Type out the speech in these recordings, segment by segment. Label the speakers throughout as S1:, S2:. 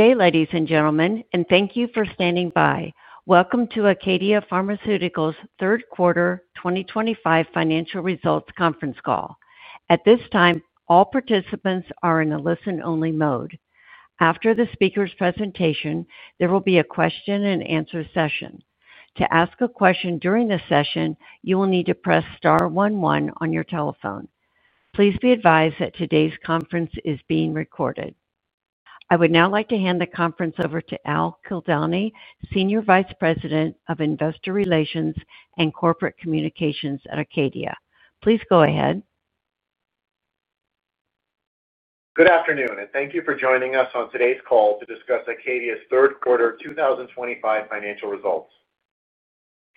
S1: Okay, ladies and gentlemen, and thank you for standing by. Welcome to ACADIA Pharmaceuticals' third quarter 2025 financial results conference call. At this time, all participants are in a listen-only mode. After the speaker's presentation, there will be a question-and-answer session. To ask a question during the session, you will need to press star one one on your telephone. Please be advised that today's conference is being recorded. I would now like to hand the conference over to Albert Kildani, Senior Vice President of Investor Relations and Corporate Communications at ACADIA. Please go ahead.
S2: Good afternoon, and thank you for joining us on today's call to discuss ACADIA's third quarter 2025 financial results.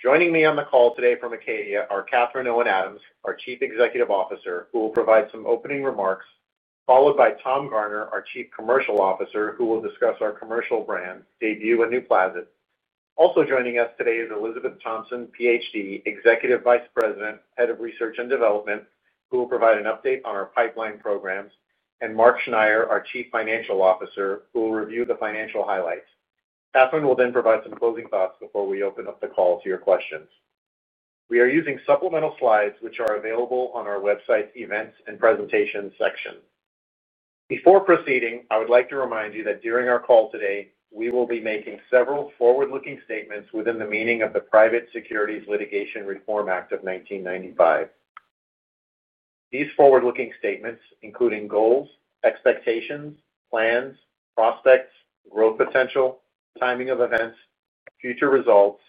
S2: Joining me on the call today from ACADIA are Catherine Owen Adams, our Chief Executive Officer, who will provide some opening remarks, followed by Tom Garner, our Chief Commercial Officer, who will discuss our commercial brand's DAYBUE at NUPLAZID. Also joining us today is Elizabeth Thompson, PhD, Executive Vice President, Head of Research and Development, who will provide an update on our pipeline programs, and Mark Schneyer, our Chief Financial Officer, who will review the financial highlights. Catherine will then provide some closing thoughts before we open up the call to your questions. We are using supplemental slides, which are available on our website's events and presentations section. Before proceeding, I would like to remind you that during our call today, we will be making several forward-looking statements within the meaning of the Private Securities Litigation Reform Act of 1995. These forward-looking statements, including goals, expectations, plans, prospects, growth potential, timing of events, future results,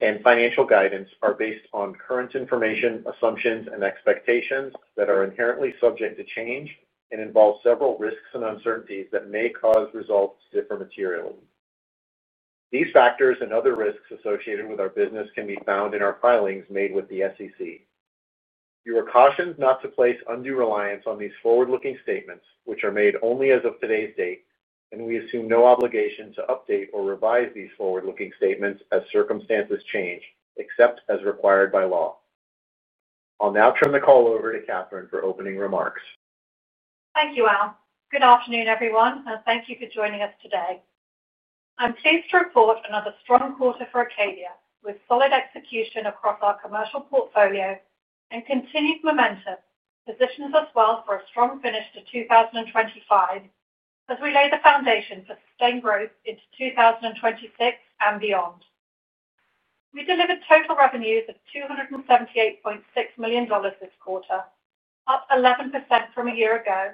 S2: and financial guidance, are based on current information, assumptions, and expectations that are inherently subject to change and involve several risks and uncertainties that may cause results to differ materially. These factors and other risks associated with our business can be found in our filings made with the SEC. You are cautioned not to place undue reliance on these forward-looking statements, which are made only as of today's date, and we assume no obligation to update or revise these forward-looking statements as circumstances change, except as required by law. I'll now turn the call over to Catherine for opening remarks.
S3: Thank you, Al. Good afternoon, everyone, and thank you for joining us today. I'm pleased to report another strong quarter for ACADIA, with solid execution across our commercial portfolio and continued momentum that positions us well for a strong finish to 2025 as we lay the foundation for sustained growth into 2026 and beyond. We delivered total revenues of $278.6 million this quarter, up 11% from a year ago,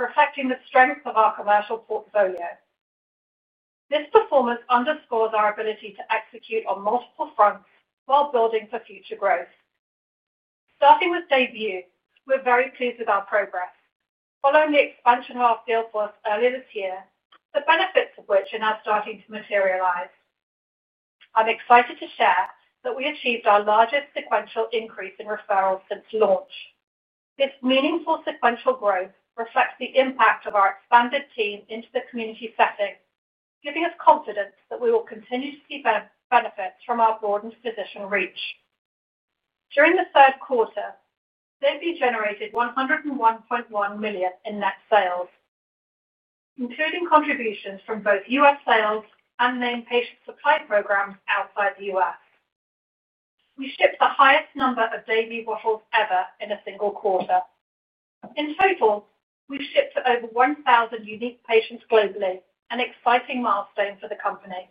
S3: reflecting the strength of our commercial portfolio. This performance underscores our ability to execute on multiple fronts while building for future growth. Starting with DAYBUE, we're very pleased with our progress, following the expansion of our salesforce earlier this year, the benefits of which are now starting to materialize. I'm excited to share that we achieved our largest sequential increase in referrals since launch. This meaningful sequential growth reflects the impact of our expanded team into the community setting, giving us confidence that we will continue to see benefits from our broadened physician reach. During the third quarter, DAYBUE generated $101.1 million in net sales. Including contributions from both U.S. sales and named patient supply programs outside the U.S. We shipped the highest number of DAYBUE bottles ever in a single quarter. In total, we've shipped to over 1,000 unique patients globally, an exciting milestone for the company.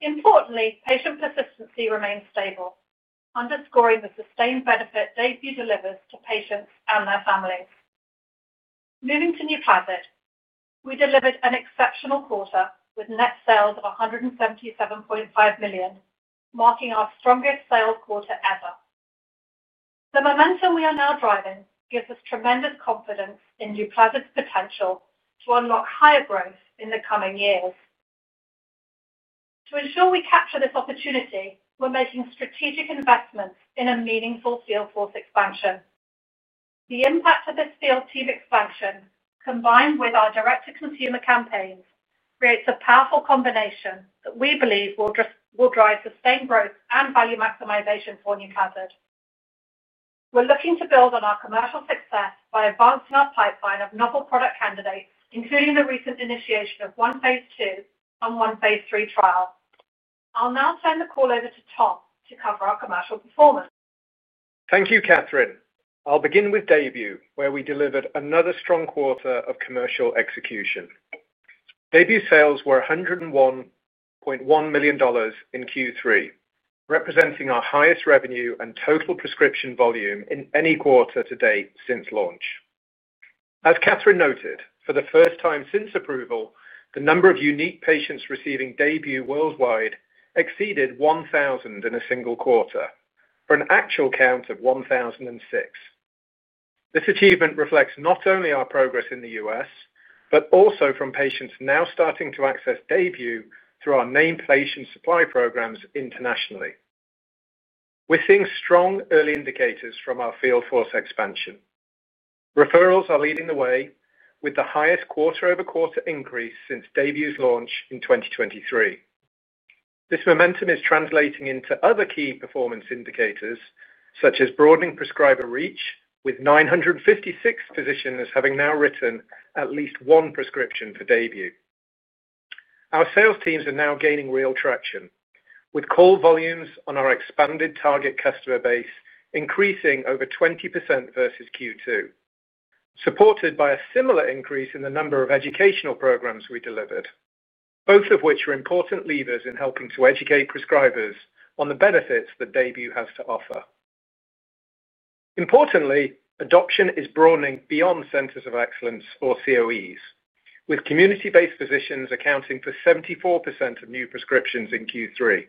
S3: Importantly, patient persistency remains stable, underscoring the sustained benefit DAYBUE delivers to patients and their families. Moving to NUPLAZID, we delivered an exceptional quarter with net sales of $177.5 million, marking our strongest sales quarter ever. The momentum we are now driving gives us tremendous confidence in NUPLAZID's potential to unlock higher growth in the coming years. To ensure we capture this opportunity, we're making strategic investments in a meaningful salesforce expansion. The impact of this sales team expansion, combined with our direct-to-consumer campaigns, creates a powerful combination that we believe will drive sustained growth and value maximization for NUPLAZID. We're looking to build on our commercial success by advancing our pipeline of novel product candidates, including the recent initiation of one phase II and one phase III trials. I'll now turn the call over to Tom to cover our commercial performance.
S4: Thank you, Catherine. I'll begin with DAYBUE, where we delivered another strong quarter of commercial execution. DAYBUE sales were $101.1 million in Q3, representing our highest revenue and total prescription volume in any quarter to date since launch. As Catherine noted, for the first time since approval, the number of unique patients receiving DAYBUE worldwide exceeded 1,000 in a single quarter, for an actual count of 1,006. This achievement reflects not only our progress in the U.S., but also from patients now starting to access DAYBUE through our named patient supply programs internationally. We're seeing strong early indicators from our field force expansion. Referrals are leading the way, with the highest quarter-over-quarter increase since DAYBUE's launch in 2023. This momentum is translating into other key performance indicators, such as broadening prescriber reach, with 956 physicians having now written at least one prescription for DAYBUE. Our sales teams are now gaining real traction, with call volumes on our expanded target customer base increasing over 20% versus Q2. Supported by a similar increase in the number of educational programs we delivered, both of which are important levers in helping to educate prescribers on the benefits that DAYBUE has to offer. Importantly, adoption is broadening beyond Centers of Excellence, or COEs, with community-based physicians accounting for 74% of new prescriptions in Q3.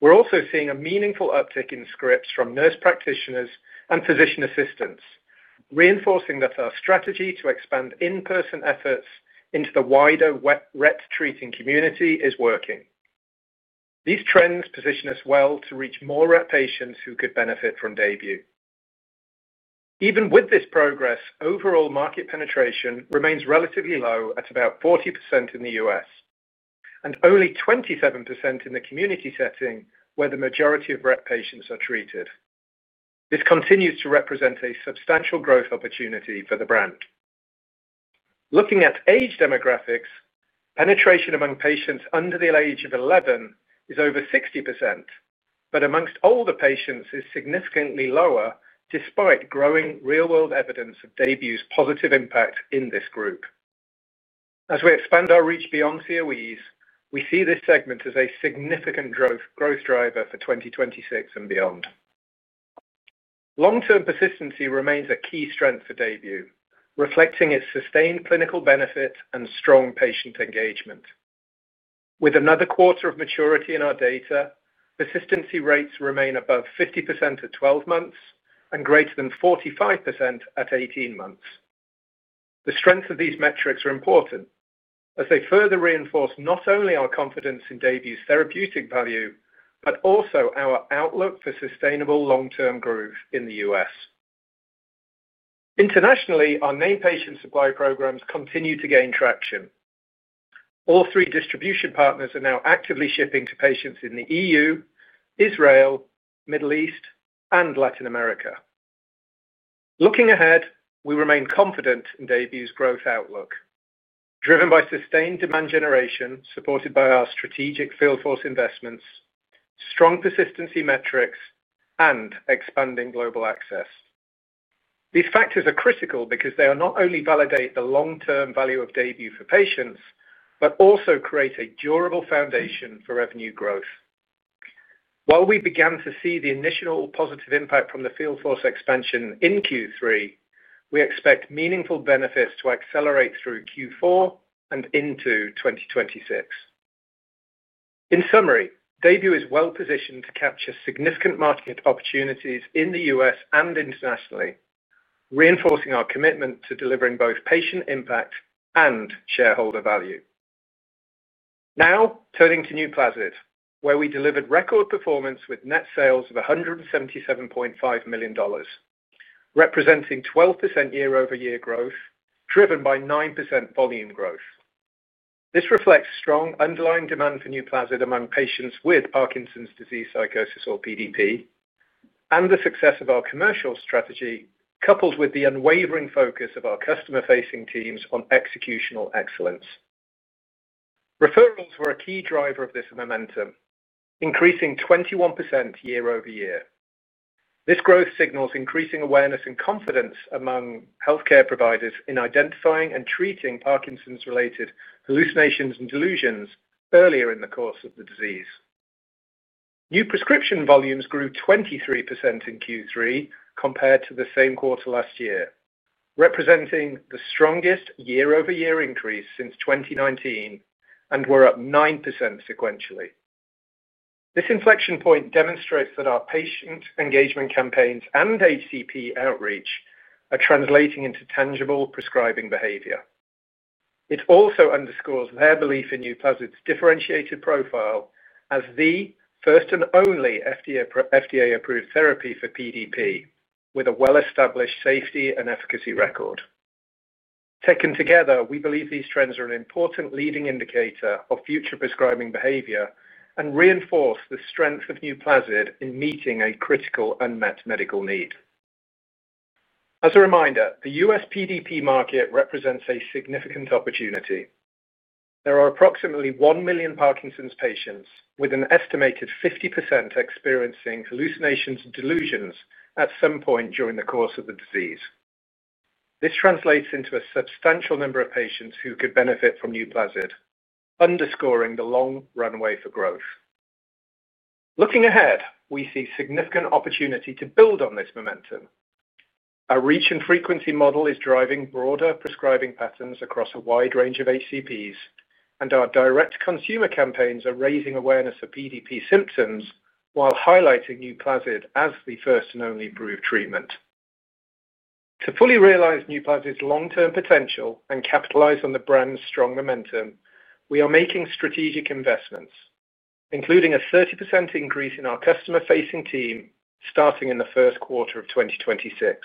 S4: We're also seeing a meaningful uptick in scripts from nurse practitioners and physician assistants, reinforcing that our strategy to expand in-person efforts into the wider rep treating community is working. These trends position us well to reach more rep patients who could benefit from DAYBUE. Even with this progress, overall market penetration remains relatively low at about 40% in the U.S., and only 27% in the community setting where the majority of rep patients are treated. This continues to represent a substantial growth opportunity for the brand. Looking at age demographics, penetration among patients under the age of 11 is over 60%, but amongst older patients is significantly lower, despite growing real-world evidence of DAYBUE's positive impact in this group. As we expand our reach beyond COEs, we see this segment as a significant growth driver for 2026 and beyond. Long-term persistency remains a key strength for DAYBUE, reflecting its sustained clinical benefit and strong patient engagement. With another quarter of maturity in our data, persistency rates remain above 50% at 12 months and greater than 45% at 18 months. The strength of these metrics is important, as they further reinforce not only our confidence in DAYBUE's therapeutic value, but also our outlook for sustainable long-term growth in the U.S. Internationally, our named patient supply programs continue to gain traction. All three distribution partners are now actively shipping to patients in the EU, Israel, the Middle East, and Latin America. Looking ahead, we remain confident in DAYBUE's growth outlook, driven by sustained demand generation supported by our strategic field force investments, strong persistency metrics, and expanding global access. These factors are critical because they not only validate the long-term value of DAYBUE for patients, but also create a durable foundation for revenue growth. While we began to see the initial positive impact from the field force expansion in Q3, we expect meaningful benefits to accelerate through Q4 and into 2026. In summary, DAYBUE is well positioned to capture significant market opportunities in the U.S. and internationally, reinforcing our commitment to delivering both patient impact and shareholder value. Now, turning to NUPLAZID, where we delivered record performance with net sales of $177.5 million. Representing 12% year-over-year growth, driven by 9% volume growth. This reflects strong underlying demand for NUPLAZID among patients with Parkinson's disease psychosis, or PDP, and the success of our commercial strategy, coupled with the unwavering focus of our customer-facing teams on executional excellence. Referrals were a key driver of this momentum, increasing 21% year-over-year. This growth signals increasing awareness and confidence among healthcare providers in identifying and treating Parkinson's-related hallucinations and delusions earlier in the course of the disease. New prescription volumes grew 23% in Q3 compared to the same quarter last year, representing the strongest year-over-year increase since 2019, and were up 9% sequentially. This inflection point demonstrates that our patient engagement campaigns and HCP outreach are translating into tangible prescribing behavior. It also underscores their belief in NUPLAZID's differentiated profile as the first and only FDA-approved therapy for PDP, with a well-established safety and efficacy record. Taken together, we believe these trends are an important leading indicator of future prescribing behavior and reinforce the strength of NUPLAZID in meeting a critical unmet medical need. As a reminder, the U.S. PDP market represents a significant opportunity. There are approximately 1 million Parkinson's patients, with an estimated 50% experiencing hallucinations and delusions at some point during the course of the disease. This translates into a substantial number of patients who could benefit from NUPLAZID, underscoring the long runway for growth. Looking ahead, we see significant opportunity to build on this momentum. Our reach and frequency model is driving broader prescribing patterns across a wide range of HCPs, and our direct-to-consumer campaigns are raising awareness of PDP symptoms while highlighting NUPLAZID as the first and only approved treatment. To fully realize NUPLAZID's long-term potential and capitalize on the brand's strong momentum, we are making strategic investments, including a 30% increase in our customer-facing team starting in the first quarter of 2026.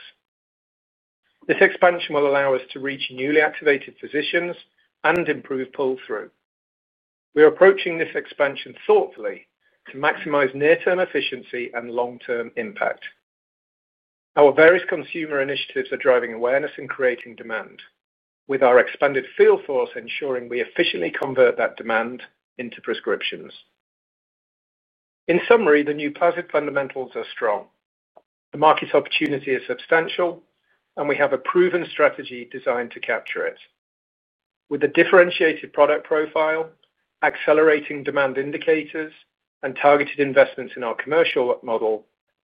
S4: This expansion will allow us to reach newly activated physicians and improve pull-through. We are approaching this expansion thoughtfully to maximize near-term efficiency and long-term impact. Our various consumer initiatives are driving awareness and creating demand, with our expanded field force ensuring we efficiently convert that demand into prescriptions. In summary, the NUPLAZID fundamentals are strong, the market opportunity is substantial, and we have a proven strategy designed to capture it. With a differentiated product profile, accelerating demand indicators, and targeted investments in our commercial model,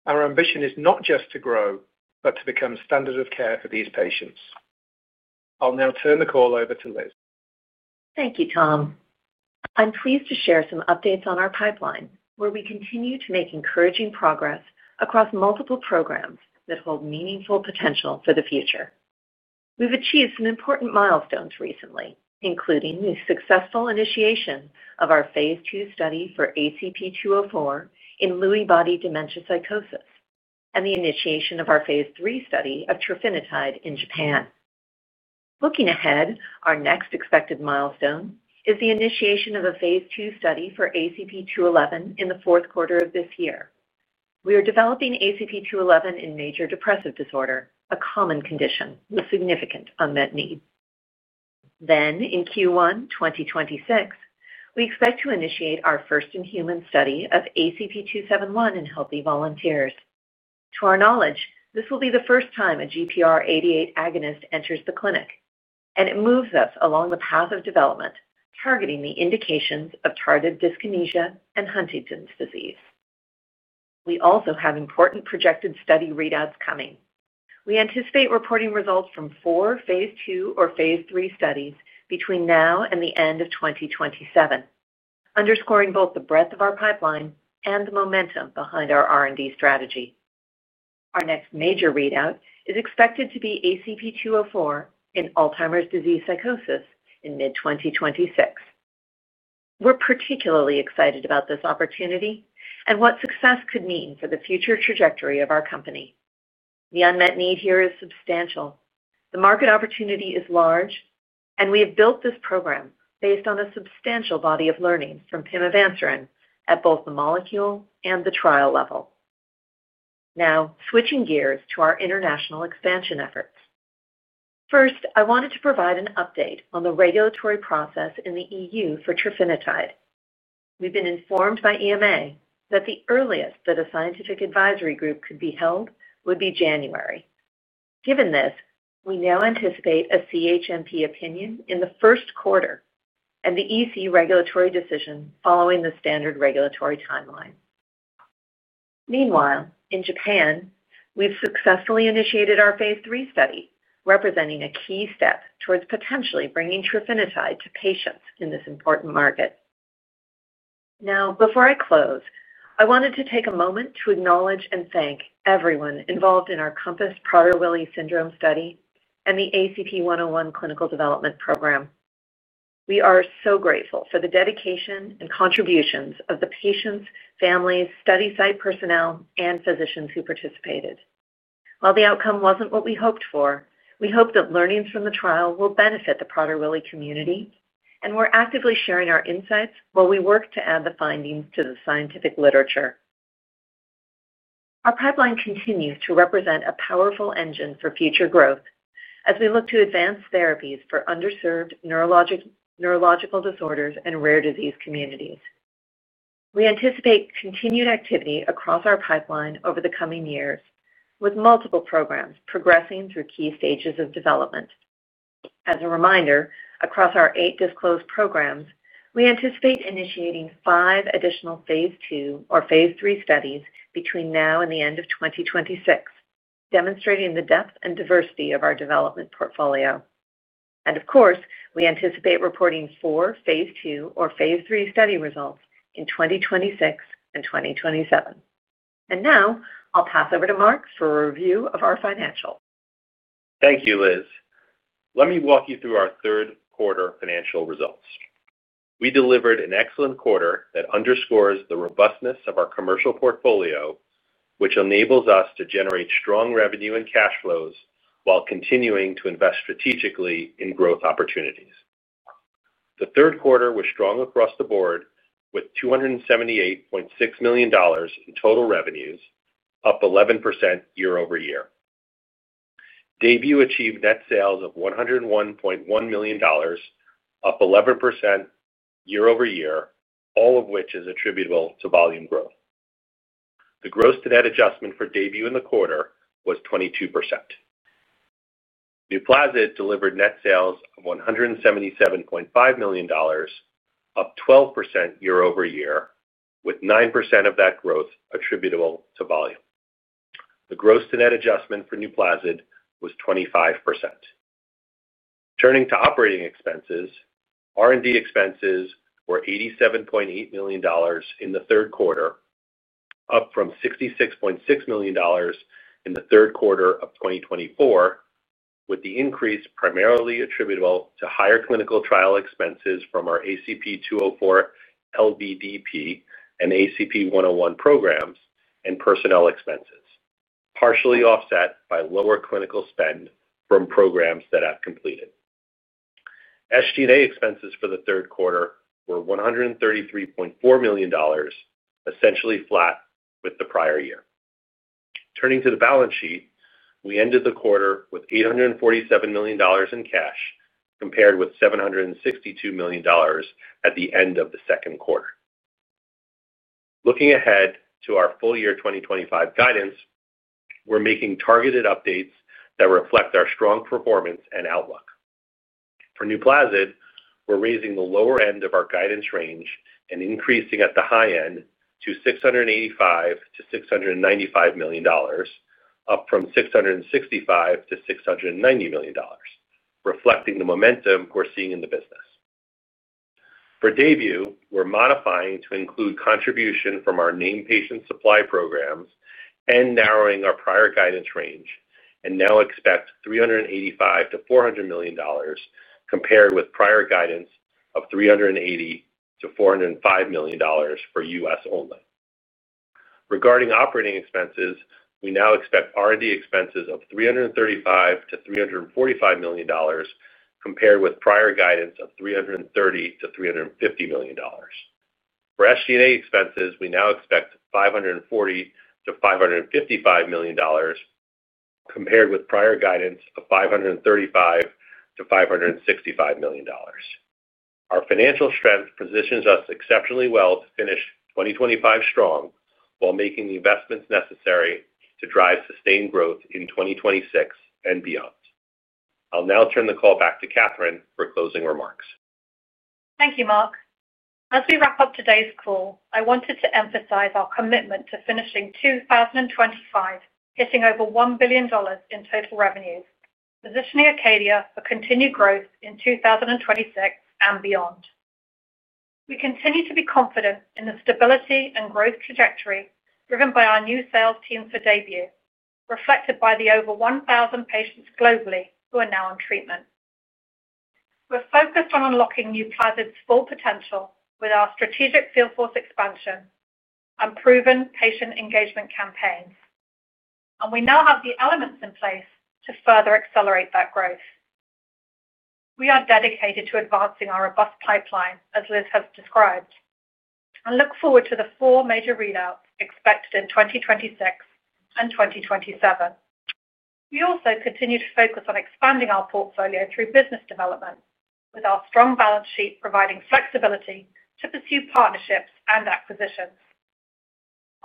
S4: our ambition is not just to grow, but to become standard of care for these patients. I'll now turn the call over to Liz.
S5: Thank you, Tom. I'm pleased to share some updates on our pipeline, where we continue to make encouraging progress across multiple programs that hold meaningful potential for the future. We've achieved some important milestones recently, including the successful initiation of our phase II study for ACP-204 in Lewy Body dementia psychosis and the initiation of our phase III study of trofinetide in Japan. Looking ahead, our next expected milestone is the initiation of a phase II study for ACP-211 in the fourth quarter of this year. We are developing ACP-211 in major depressive disorder, a common condition with significant unmet need. Then, in Q1 2026, we expect to initiate our first in-human study of ACP-271 in healthy volunteers. To our knowledge, this will be the first time a GPR88 agonist enters the clinic, and it moves us along the path of development targeting the indications of tardive dyskinesia and Huntington's disease. We also have important projected study readouts coming. We anticipate reporting results from four phase II or phase III studies between now and the end of 2027, underscoring both the breadth of our pipeline and the momentum behind our R&D strategy. Our next major readout is expected to be ACP-204 in Alzheimer's disease psychosis in mid-2026. We're particularly excited about this opportunity and what success could mean for the future trajectory of our company. The unmet need here is substantial, the market opportunity is large, and we have built this program based on a substantial body of learning from pimavanserin at both the molecule and the trial level. Now, switching gears to our international expansion efforts. First, I wanted to provide an update on the regulatory process in the EU for trofinetide. We've been informed by EMA that the earliest that a scientific advisory group could be held would be January. Given this, we now anticipate a CHMP opinion in the first quarter and the EC regulatory decision following the standard regulatory timeline. Meanwhile, in Japan, we've successfully initiated our phase III study, representing a key step towards potentially bringing trofinetide to patients in this important market. Now, before I close, I wanted to take a moment to acknowledge and thank everyone involved in our COMPASS Prader-Willi Syndrome study and the ACP-101 clinical development program. We are so grateful for the dedication and contributions of the patients, families, study site personnel, and physicians who participated. While the outcome wasn't what we hoped for, we hope that learnings from the trial will benefit the Prader-Willi community, and we're actively sharing our insights while we work to add the findings to the scientific literature. Our pipeline continues to represent a powerful engine for future growth as we look to advance therapies for underserved neurological disorders and rare disease communities. We anticipate continued activity across our pipeline over the coming years, with multiple programs progressing through key stages of development. As a reminder, across our eight disclosed programs, we anticipate initiating five additional phase II or phase III studies between now and the end of 2026, demonstrating the depth and diversity of our development portfolio. And of course, we anticipate reporting four phase II or phase III study results in 2026 and 2027. And now, I'll pass over to Mark for a review of our financials.
S6: Thank you, Liz. Let me walk you through our third quarter financial results. We delivered an excellent quarter that underscores the robustness of our commercial portfolio, which enables us to generate strong revenue and cash flows while continuing to invest strategically in growth opportunities. The third quarter was strong across the board, with $278.6 million in total revenues, up 11% year-over-year. DAYBUE achieved net sales of $101.1 million, up 11% year-over-year, all of which is attributable to volume growth. The gross net adjustment for DAYBUE in the quarter was 22%. NUPLAZID delivered net sales of $177.5 million, up 12% year-over-year, with 9% of that growth attributable to volume. The gross net adjustment for NUPLAZID was 25%. Turning to operating expenses, R&D expenses were $87.8 million in the third quarter. Up from $66.6 million. In the third quarter of 2024. With the increase primarily attributable to higher clinical trial expenses from our ACP-204 LVDP and ACP-101 programs and personnel expenses, partially offset by lower clinical spend from programs that have completed. SG&A expenses for the third quarter were $133.4 million, essentially flat with the prior year. Turning to the balance sheet, we ended the quarter with $847 million in cash, compared with $762 million at the end of the second quarter. Looking ahead to our full year 2025 guidance, we're making targeted updates that reflect our strong performance and outlook. For NUPLAZID, we're raising the lower end of our guidance range and increasing at the high end to $685 million-$695 million, up from $665 million-$690 million, reflecting the momentum we're seeing in the business. For DAYBUE, we're modifying to include contribution from our named patient supply programs and narrowing our prior guidance range, and now expect $385 million-$400 million, compared with prior guidance of $380 million-$405 million for US only. Regarding operating expenses, we now expect R&D expenses of $335 million-$345 million, compared with prior guidance of $330 million-$350 million. For SG&A expenses, we now expect $540 million-$555 million. Compared with prior guidance of $535 million-$565 million. Our financial strength positions us exceptionally well to finish 2025 strong while making the investments necessary to drive sustained growth in 2026 and beyond. I'll now turn the call back to Catherine for closing remarks.
S3: Thank you, Mark. As we wrap up today's call, I wanted to emphasize our commitment to finishing 2025 hitting over $1 billion in total revenues, positioning ACADIA for continued growth in 2026 and beyond. We continue to be confident in the stability and growth trajectory driven by our new sales teams for DAYBUE, reflected by the over 1,000 patients globally who are now on treatment. We're focused on unlocking NUPLAZID's full potential with our strategic field force expansion and proven patient engagement campaigns. And we now have the elements in place to further accelerate that growth. We are dedicated to advancing our robust pipeline, as Liz has described, and look forward to the four major readouts expected in 2026 and 2027. We also continue to focus on expanding our portfolio through business development, with our strong balance sheet providing flexibility to pursue partnerships and acquisitions.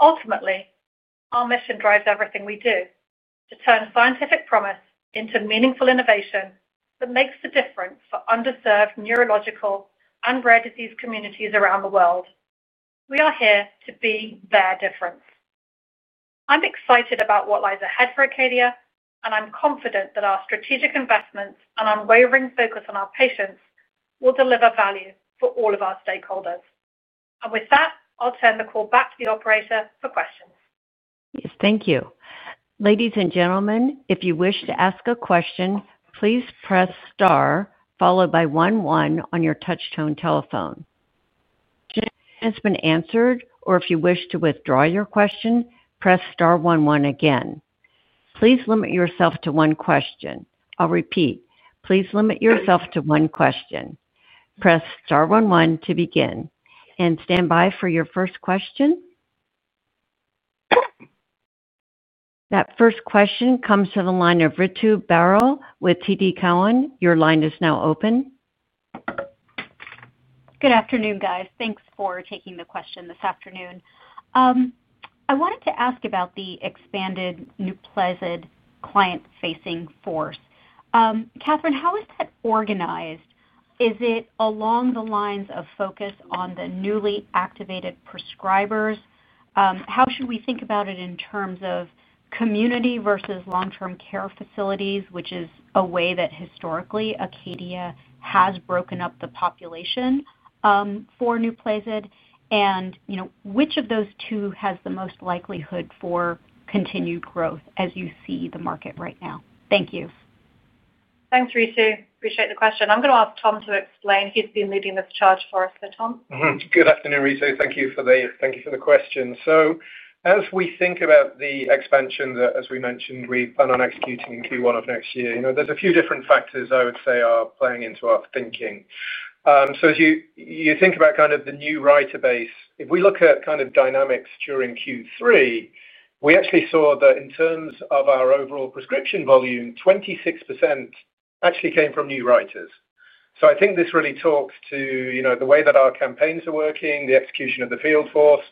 S3: Ultimately, our mission drives everything we do to turn scientific promise into meaningful innovation that makes a difference for underserved neurological and rare disease communities around the world. We are here to be their difference. I'm excited about what lies ahead for ACADIA, and I'm confident that our strategic investments and unwavering focus on our patients will deliver value for all of our stakeholders. And with that, I'll turn the call back to the operator for questions.
S1: Thank you. Ladies and gentlemen, if you wish to ask a question, please press star followed by one one on your touch-tone telephone. If it has been answered, or if you wish to withdraw your question, press star one one again. Please limit yourself to one question. I'll repeat, please limit yourself to one question. Press star one one to begin. And stand by for your first question. That first question comes from the line of Ritu Baral with TD Cowen. Your line is now open.
S7: Good afternoon, guys. Thanks for taking the question this afternoon. I wanted to ask about the expanded NUPLAZID client-facing force. Catherine how is that organized? Is it along the lines of focus on the newly activated prescribers? How should we think about it in terms of community versus long-term care facilities, which is a way that historically ACADIA has broken up the population. For NUPLAZID? And which of those two has the most likelihood for continued growth as you see the market right now? Thank you.
S3: Thanks, Ritu. Appreciate the question. I'm going to ask Tom to explain. He's been leading this charge for us. So, Tom?
S4: Good afternoon, Ritu. Thank you for the question. So as we think about the expansion that, as we mentioned, we plan on executing in Q1 of next year, there's a few different factors I would say are playing into our thinking. So as you think about kind of the new writer base, if we look at kind of dynamics during Q3, we actually saw that in terms of our overall prescription volume, 26% actually came from new writers. So I think this really talks to the way that our campaigns are working, the execution of the field force.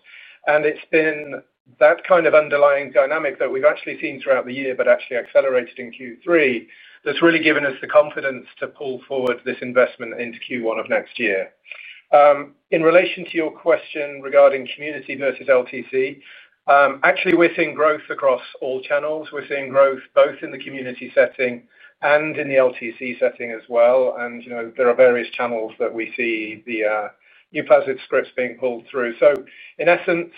S4: And it's been that kind of underlying dynamic that we've actually seen throughout the year, but actually accelerated in Q3, that's really given us the confidence to pull forward this investment into Q1 of next year. In relation to your question regarding community versus LTC, actually, we're seeing growth across all channels. We're seeing growth both in the community setting and in the LTC setting as well. And there are various channels that we see the NUPLAZID scripts being pulled through. So in essence.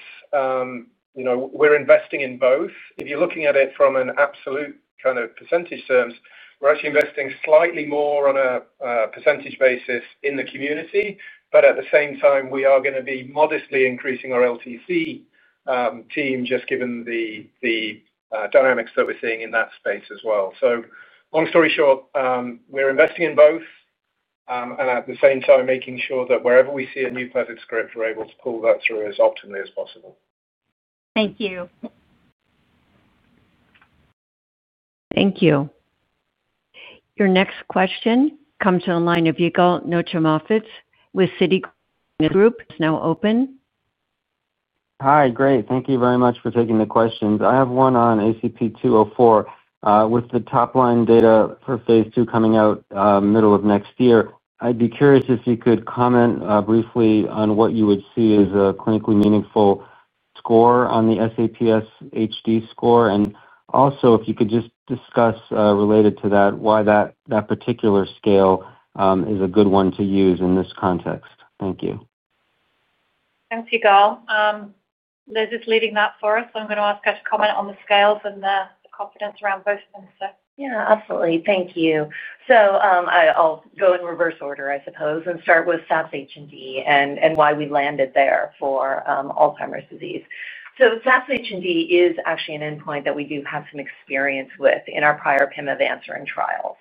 S4: We're investing in both. If you're looking at it from an absolute kind of percentage terms, we're actually investing slightly more on a percentage basis in the community. But at the same time, we are going to be modestly increasing our LTC. Team just given the. Dynamics that we're seeing in that space as well. So long story short, we're investing in both. And at the same time, making sure that wherever we see a NUPLAZID script, we're able to pull that through as optimally as possible.
S7: Thank you.
S1: Thank you. Your next question comes from the line of Yigal Nochomovitz with Citigroup. Is now open.
S8: Hi, great. Thank you very much for taking the questions. I have one on ACP-204 with the top line data for phase II coming out middle of next year. I'd be curious if you could comment briefly on what you would see as a clinically meaningful score on the SAPS H&D score, and also if you could just discuss related to that, why that particular scale is a good one to use in this context. Thank you.
S3: Thanks, Yigal. Liz is leading that for us. I'm going to ask her to comment on the scales and the confidence around both of them, so.
S5: Yeah, absolutely. Thank you. So I'll go in reverse order, I suppose, and start with SAPS H&D and why we landed there for Alzheimer's disease. So SAPS H&D is actually an endpoint that we do have some experience with in our prior pimavanserin trials.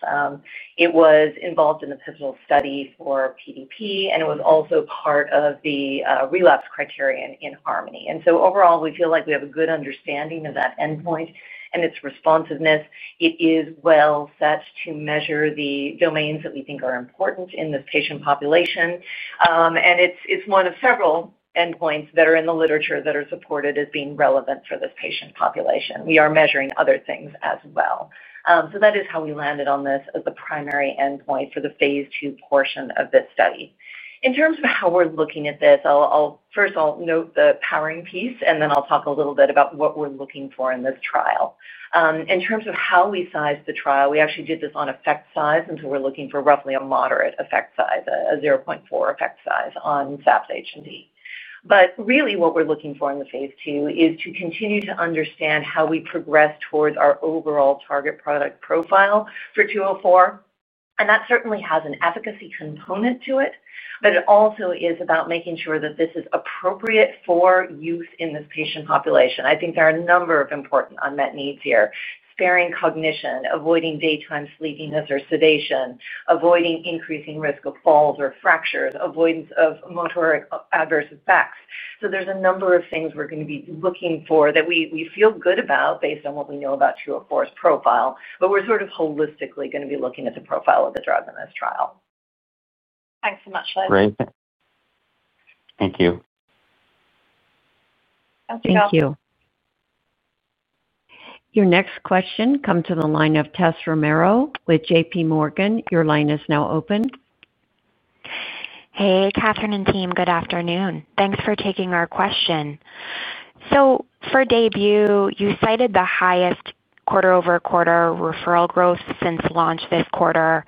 S5: It was involved in the pivotal study for PDP, and it was also part of the relapse criterion in Harmony. And so overall, we feel like we have a good understanding of that endpoint and its responsiveness. It is well set to measure the domains that we think are important in this patient population. And it's one of several endpoints that are in the literature that are supported as being relevant for this patient population. We are measuring other things as well. So that is how we landed on this as the primary endpoint for the phase II portion of this study. In terms of how we're looking at this, first, I'll note the powering piece, and then I'll talk a little bit about what we're looking for in this trial. In terms of how we sized the trial, we actually did this on effect size, and so we're looking for roughly a moderate effect size, a 0.4 effect size on SAPS H&D. But really, what we're looking for in the phase II is to continue to understand how we progress towards our overall target product profile for ACP-204. And that certainly has an efficacy component to it, but it also is about making sure that this is appropriate for use in this patient population. I think there are a number of important unmet needs here: sparing cognition, avoiding daytime sleepiness or sedation, avoiding increasing risk of falls or fractures, avoidance of motor adverse effects. So there's a number of things we're going to be looking for that we feel good about based on what we know about ACP-204's profile, but we're sort of holistically going to be looking at the profile of the drug in this trial.
S3: Thanks so much, Liz.
S9: Great. Thank you.
S3: Thank you.
S1: Thank you. Your next question comes from the line of Tessa Romero with JPMorgan. Your line is now open.
S10: Hey, Catherine and team. Good afternoon. Thanks for taking our question. So for DAYBUE, you cited the highest quarter-over-quarter referral growth since launch this quarter.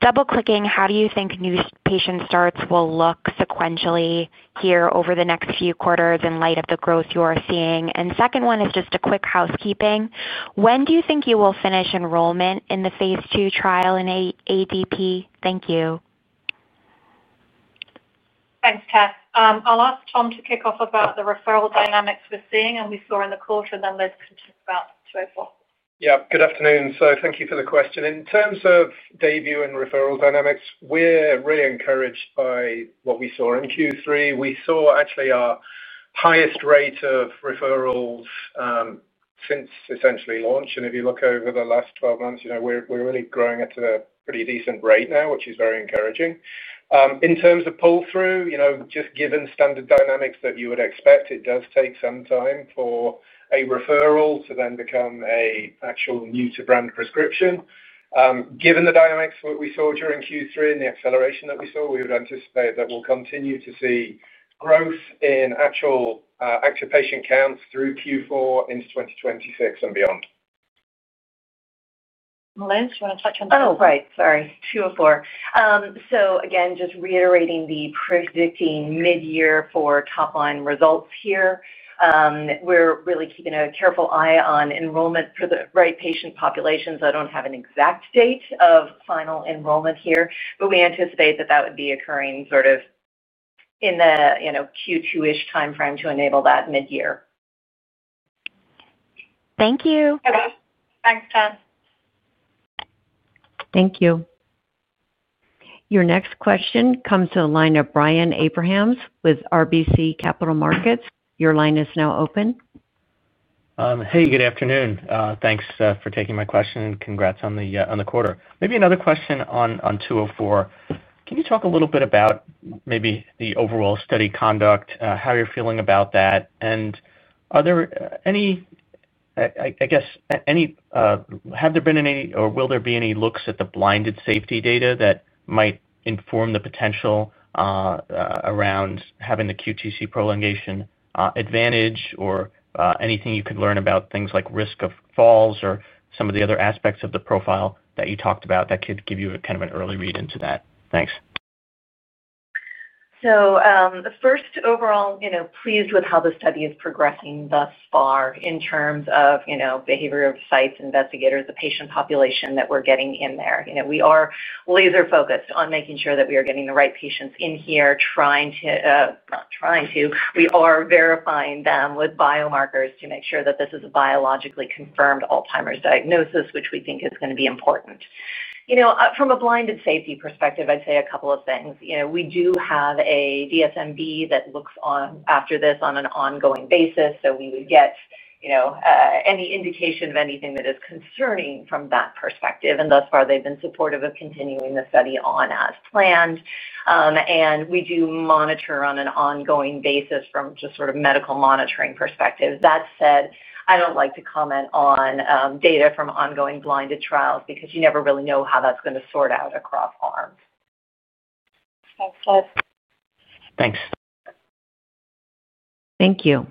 S10: Double-clicking, how do you think new patient starts will look sequentially here over the next few quarters in light of the growth you are seeing? And second one is just a quick housekeeping. When do you think you will finish enrollment in the phase II trial in ADP? Thank you.
S3: Thanks, Tess. I'll ask Tom to kick off about the referral dynamics we're seeing and we saw in the quarter, then Liz can talk about ACP-204.
S4: Yeah. Good afternoon. So thank you for the question. In terms of DAYBUE and referral dynamics, we're really encouraged by what we saw in Q3. We saw actually our highest rate of referrals. Since essentially launch. And if you look over the last 12 months, we're really growing at a pretty decent rate now, which is very encouraging. In terms of pull-through, just given standard dynamics that you would expect, it does take some time for a referral to then become an actual new-to-brand prescription. Given the dynamics that we saw during Q3 and the acceleration that we saw, we would anticipate that we'll continue to see growth in actual. Patient counts through Q4 into 2026 and beyond.
S3: Liz, do you want to touch on that?
S5: Oh, right. Sorry. ACP-204. So again, just reiterating the predicting mid-year for top-line results here. We're really keeping a careful eye on enrollment for the right patient populations. I don't have an exact date of final enrollment here, but we anticipate that that would be occurring sort of. In the Q2-ish timeframe to enable that mid-year.
S10: Thank you.
S3: Okay. Thanks, Tess.
S1: Thank you. Your next question comes to the line of Brian Abrahams with RBC Capital Markets. Your line is now open.
S11: Hey, good afternoon. Thanks for taking my question and congrats on the quarter. Maybe another question on ACP-204. Can you talk a little bit about maybe the overall study conduct, how you're feeling about that? And are there any, I guess, any. Have there been any or will there be any looks at the blinded safety data that might inform the potential. Around having the QTC prolongation advantage or anything you could learn about things like risk of falls or some of the other aspects of the profile that you talked about that could give you kind of an early read into that? Thanks.
S5: So first, overall, pleased with how the study is progressing thus far in terms of behavior of sites, investigators, the patient population that we're getting in there. We are laser-focused on making sure that we are getting the right patients in here, trying to—not trying to—we are verifying them with biomarkers to make sure that this is a biologically confirmed Alzheimer's diagnosis, which we think is going to be important. From a blinded safety perspective, I'd say a couple of things. We do have a DSMB that looks after this on an ongoing basis, so we would get. Any indication of anything that is concerning from that perspective. And thus far, they've been supportive of continuing the study on as planned. And we do monitor on an ongoing basis from just sort of medical monitoring perspective. That said, I don't like to comment on data from ongoing blinded trials because you never really know how that's going to sort out across arms.
S3: Thanks, Liz.
S11: Thanks.
S1: Thank you.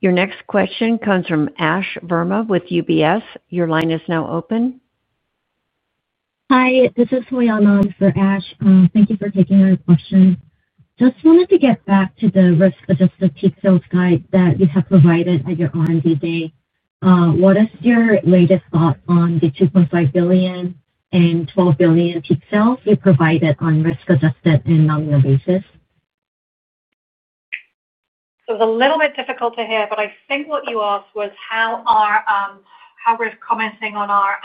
S1: Your next question comes from Ash Verma with UBS. Your line is now open. Hi, this is Liana. For Ash, thank you for taking our question. Just wanted to get back to the risk-adjusted peak sales guide that you have provided at your R&D day. What is your latest thought on the $2.5 billion and $12 billion peak sales you provided on risk-adjusted and non-related basis?
S3: So it's a little bit difficult to hear, but I think what you asked was how. We're commenting on our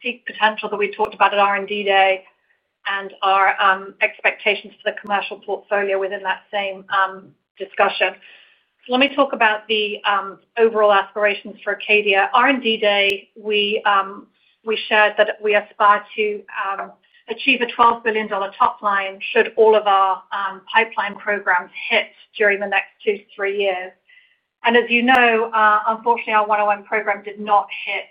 S3: peak potential that we talked about at R&D day and our expectations for the commercial portfolio within that same discussion. So let me talk about the overall aspirations for ACADIA. R&D day, we. Shared that we aspire to. Achieve a $12 billion top line should all of our pipeline programs hit during the next two to three years. And as you know, unfortunately, our ACP-101 program did not hit.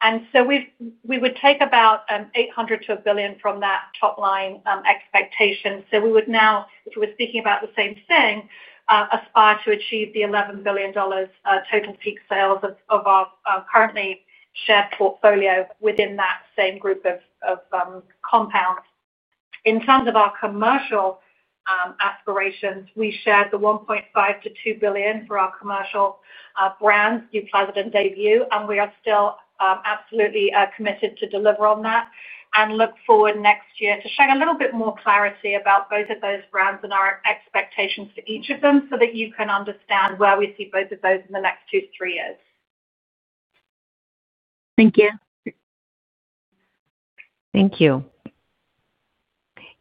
S3: And so we would take about 800 to a billion from that top line expectation. So we would now, if we were speaking about the same thing, aspire to achieve the $11 billion total peak sales of our currently shared portfolio within that same group of. Compounds. In terms of our commercial. Aspirations, we shared the $1.5 billion-$2 billion for our commercial brands, NUPLAZID and DAYBUE, and we are still absolutely committed to deliver on that and look forward next year to share a little bit more clarity about both of those brands and our expectations for each of them so that you can understand where we see both of those in the next two to three years. Thank you.
S1: Thank you.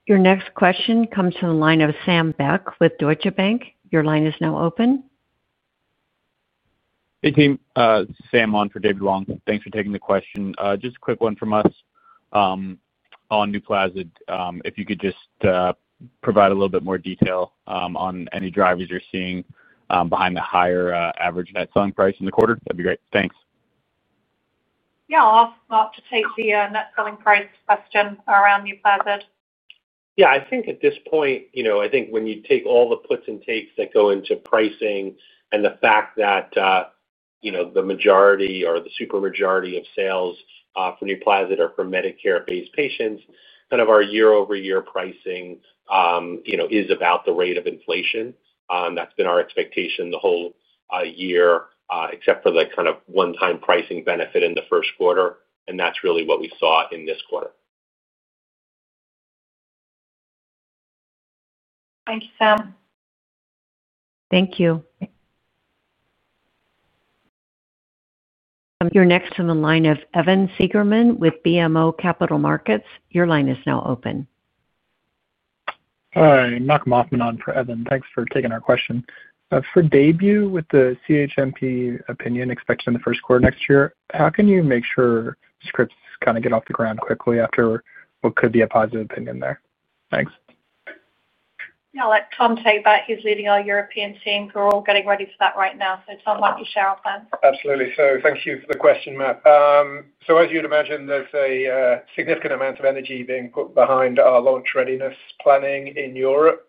S1: Your next question comes from the line of Sam Beck with Deutsche Bank. Your line is now open.
S12: Hey, team. Sam on for David Wong. Thanks for taking the question. Just a quick one from us. On NUPLAZID, if you could just. Provide a little bit more detail on any drivers you're seeing behind the higher average net selling price in the quarter, that'd be great. Thanks.
S3: Yeah. I'll ask Mark to take the net selling price question around NUPLAZID.
S6: Yeah. I think at this point, I think when you take all the puts and takes that go into pricing and the fact that. The majority or the super majority of sales for NUPLAZID are for Medicare-based patients, kind of our year-over-year pricing. Is about the rate of inflation. That's been our expectation the whole year, except for the kind of one-time pricing benefit in the first quarter. And that's really what we saw in this quarter.
S3: Thank you, Sam.
S1: Thank you. Your next on the line of Evan Seigerman with BMO Capital Markets. Your line is now open.
S13: Hi. Mark Morgenthau on for Evans. Thanks for taking our question. For DAYBUE with the CHMP opinion expected in the first quarter next year, how can you make sure scripts kind of get off the ground quickly after what could be a positive opinion there? Thanks.
S3: Yeah. I'll let Tom take that. He's leading our European team. We're all getting ready for that right now. So Tom, why don't you share our plans?
S4: Absolutely. So thank you for the question, Mark. So as you'd imagine, there's a significant amount of energy being put behind our launch readiness planning in Europe.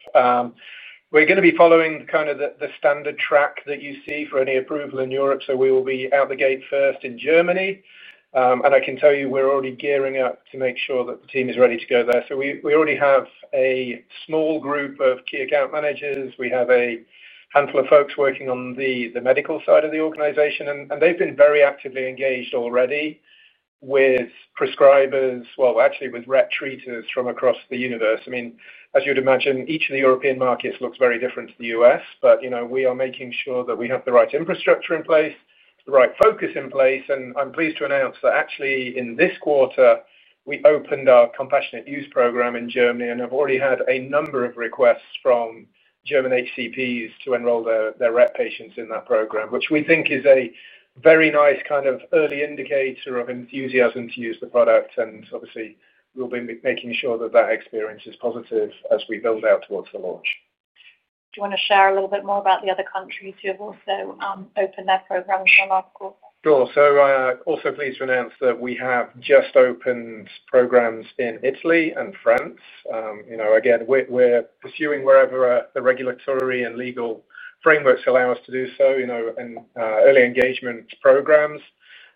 S4: We're going to be following kind of the standard track that you see for any approval in Europe. So we will be out the gate first in Germany. And I can tell you we're already gearing up to make sure that the team is ready to go there. So we already have a small group of key account managers. We have a handful of folks working on the medical side of the organization. And they've been very actively engaged already with prescribers, well, actually with rep treaters from across the universe. I mean, as you'd imagine, each of the European markets looks very different to the U.S., but we are making sure that we have the right infrastructure in place, the right focus in place. And I'm pleased to announce that actually, in this quarter, we opened our compassionate use program in Germany, and I've already had a number of requests from German HCPs to enroll their rep patients in that program, which we think is a very nice kind of early indicator of enthusiasm to use the product. And obviously, we'll be making sure that that experience is positive as we build out towards the launch.
S3: Do you want to share a little bit more about the other countries who have also opened their programs on our quarter?
S4: Sure. So I'm also pleased to announce that we have just opened programs in Italy and France. Again, we're pursuing wherever the regulatory and legal frameworks allow us to do so in early engagement programs.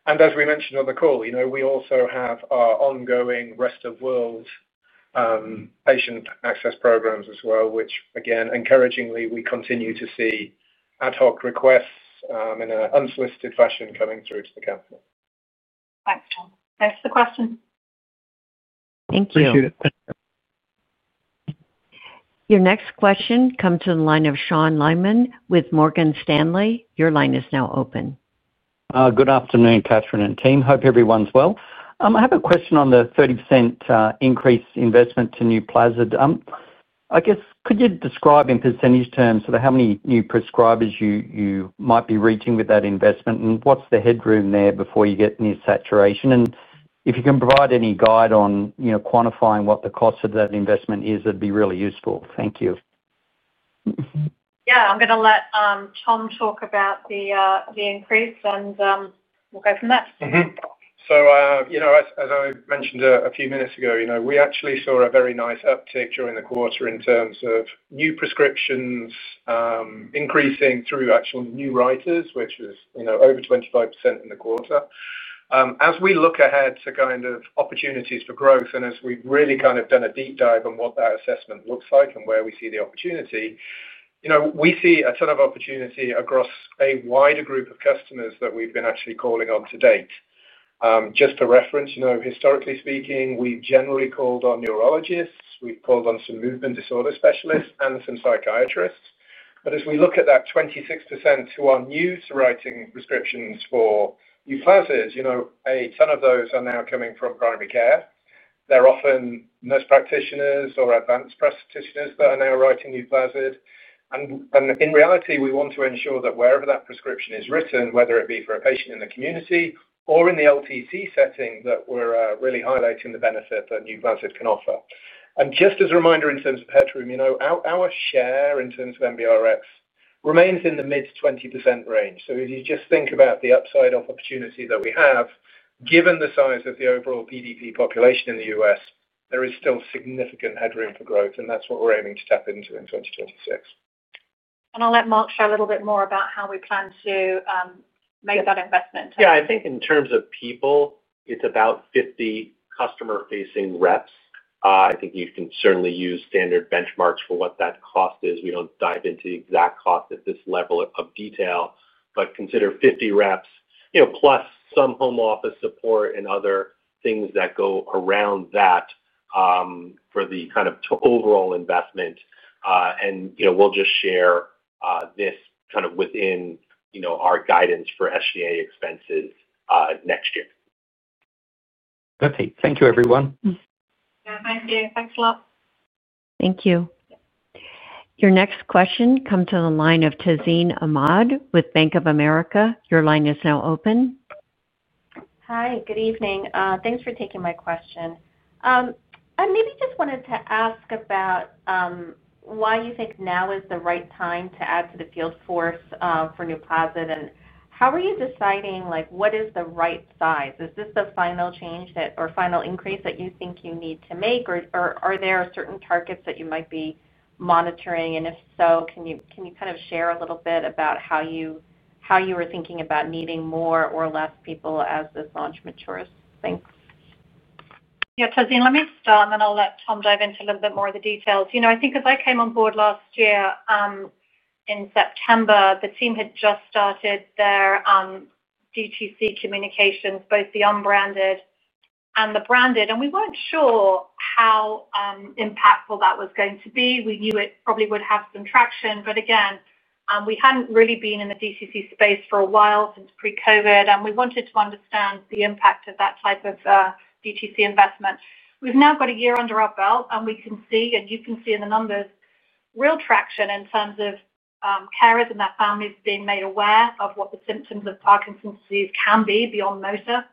S4: And as we mentioned on the call, we also have our ongoing rest-of-world. Patient access programs as well, which, again, encouragingly, we continue to see ad hoc requests in an unsolicited fashion coming through to the council.
S3: Thanks, Tom. Next question.
S1: Thank you.
S13: Appreciate it.
S1: Your next question comes to the line of Sean Lyman with Morgan Stanley. Your line is now open.
S14: Good afternoon, Catherine and team. Hope everyone's well. I have a question on the 30% increase investment to NUPLAZID. I guess, could you describe in percentage terms sort of how many new prescribers you might be reaching with that investment, and what's the headroom there before you get near saturation? And if you can provide any guide on quantifying what the cost of that investment is, it'd be really useful. Thank you.
S3: Yeah. I'm going to let Tom talk about the increase, and we'll go from there.
S4: So as I mentioned a few minutes ago, we actually saw a very nice uptick during the quarter in terms of new prescriptions. Increasing through actual new writers, which was over 25% in the quarter. As we look ahead to kind of opportunities for growth, and as we've really kind of done a deep dive on what that assessment looks like and where we see the opportunity, we see a ton of opportunity across a wider group of customers that we've been actually calling on to date. Just for reference, historically speaking, we've generally called on neurologists, we've called on some movement disorder specialists, and some psychiatrists. But as we look at that 26% who are new to writing prescriptions for NUPLAZID, a ton of those are now coming from primary care. They're often nurse practitioners or advanced practitioners that are now writing NUPLAZID. And in reality, we want to ensure that wherever that prescription is written, whether it be for a patient in the community or in the LTC setting, that we're really highlighting the benefit that NUPLAZID can offer. And just as a reminder in terms of headroom, our share in terms of MBRX remains in the mid-20% range. So if you just think about the upside of opportunity that we have, given the size of the overall PDP population in the U.S., there is still significant headroom for growth, and that's what we're aiming to tap into in 2026.
S3: And I'll let Mark share a little bit more about how we plan to. Make that investment.
S6: Yeah. I think in terms of people, it's about 50 customer-facing reps. I think you can certainly use standard benchmarks for what that cost is. We don't dive into the exact cost at this level of detail, but consider 50 reps plus some home office support and other things that go around that. For the kind of overall investment. And we'll just share. This kind of within our guidance for SGA expenses next year.
S14: Okay. Thank you, everyone.
S3: Yeah. Thank you. Thanks a lot.
S1: Thank you. Your next question comes to the line of Taseen Ahmad with Bank of America. Your line is now open.
S15: Hi. Good evening. Thanks for taking my question. I maybe just wanted to ask about. Why you think now is the right time to add to the field force for NUPLAZID. And how are you deciding what is the right size? Is this the final change or final increase that you think you need to make, or are there certain targets that you might be monitoring? And if so, can you kind of share a little bit about how you were thinking about needing more or less people as this launch matures? Thanks.
S3: Yeah. Taseen, let me start, and then I'll let Tom dive into a little bit more of the details. I think as I came on board last year. In September, the team had just started their. DTC communications, both the unbranded and the branded. And we weren't sure how. Impactful that was going to be. We knew it probably would have some traction. But again, we hadn't really been in the DTC space for a while since pre-COVID, and we wanted to understand the impact of that type of DTC investment. We've now got a year under our belt, and we can see, and you can see in the numbers, real traction in terms of. Carers and their families being made aware of what the symptoms of Parkinson's disease can be beyond motor.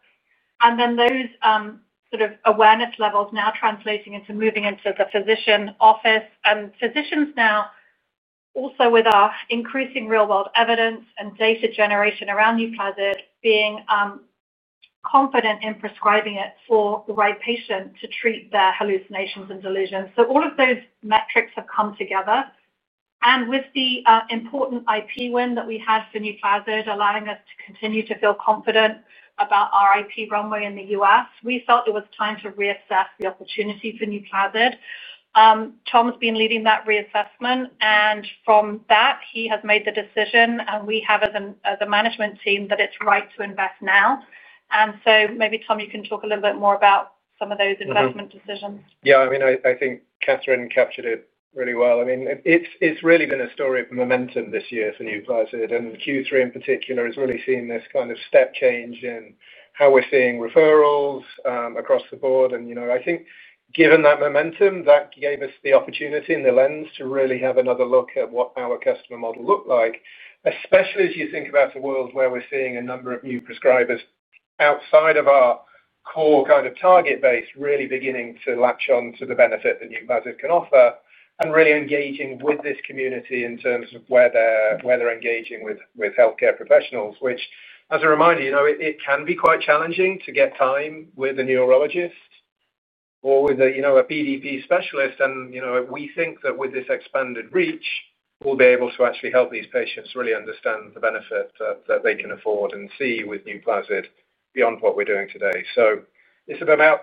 S3: And then those sort of awareness levels now translating into moving into the physician office. And physicians now. Also with our increasing real-world evidence and data generation around NUPLAZID being. Confident in prescribing it for the right patient to treat their hallucinations and delusions. So all of those metrics have come together. And with the important IP win that we had for NUPLAZID, allowing us to continue to feel confident about our IP runway in the U.S., we felt it was time to reassess the opportunity for NUPLAZID. Tom's been leading that reassessment, and from that, he has made the decision, and we have as a management team that it's right to invest now. And so maybe, Tom, you can talk a little bit more about some of those investment decisions.
S4: Yeah. I mean, I think Catherine captured it really well. I mean, it's really been a story of momentum this year for NUPLAZID. Q3 in particular has really seen this kind of step change in how we're seeing referrals across the board. I think given that momentum, that gave us the opportunity and the lens to really have another look at what our customer model looked like, especially as you think about a world where we're seeing a number of new prescribers outside of our core kind of target base really beginning to latch on to the benefit that NUPLAZID can offer and really engaging with this community in terms of where they're engaging with healthcare professionals, which, as a reminder, it can be quite challenging to get time with a neurologist or with a PDP specialist. And we think that with this expanded reach, we'll be able to actually help these patients really understand the benefit that they can afford and see with NUPLAZID beyond what we're doing today. So it's about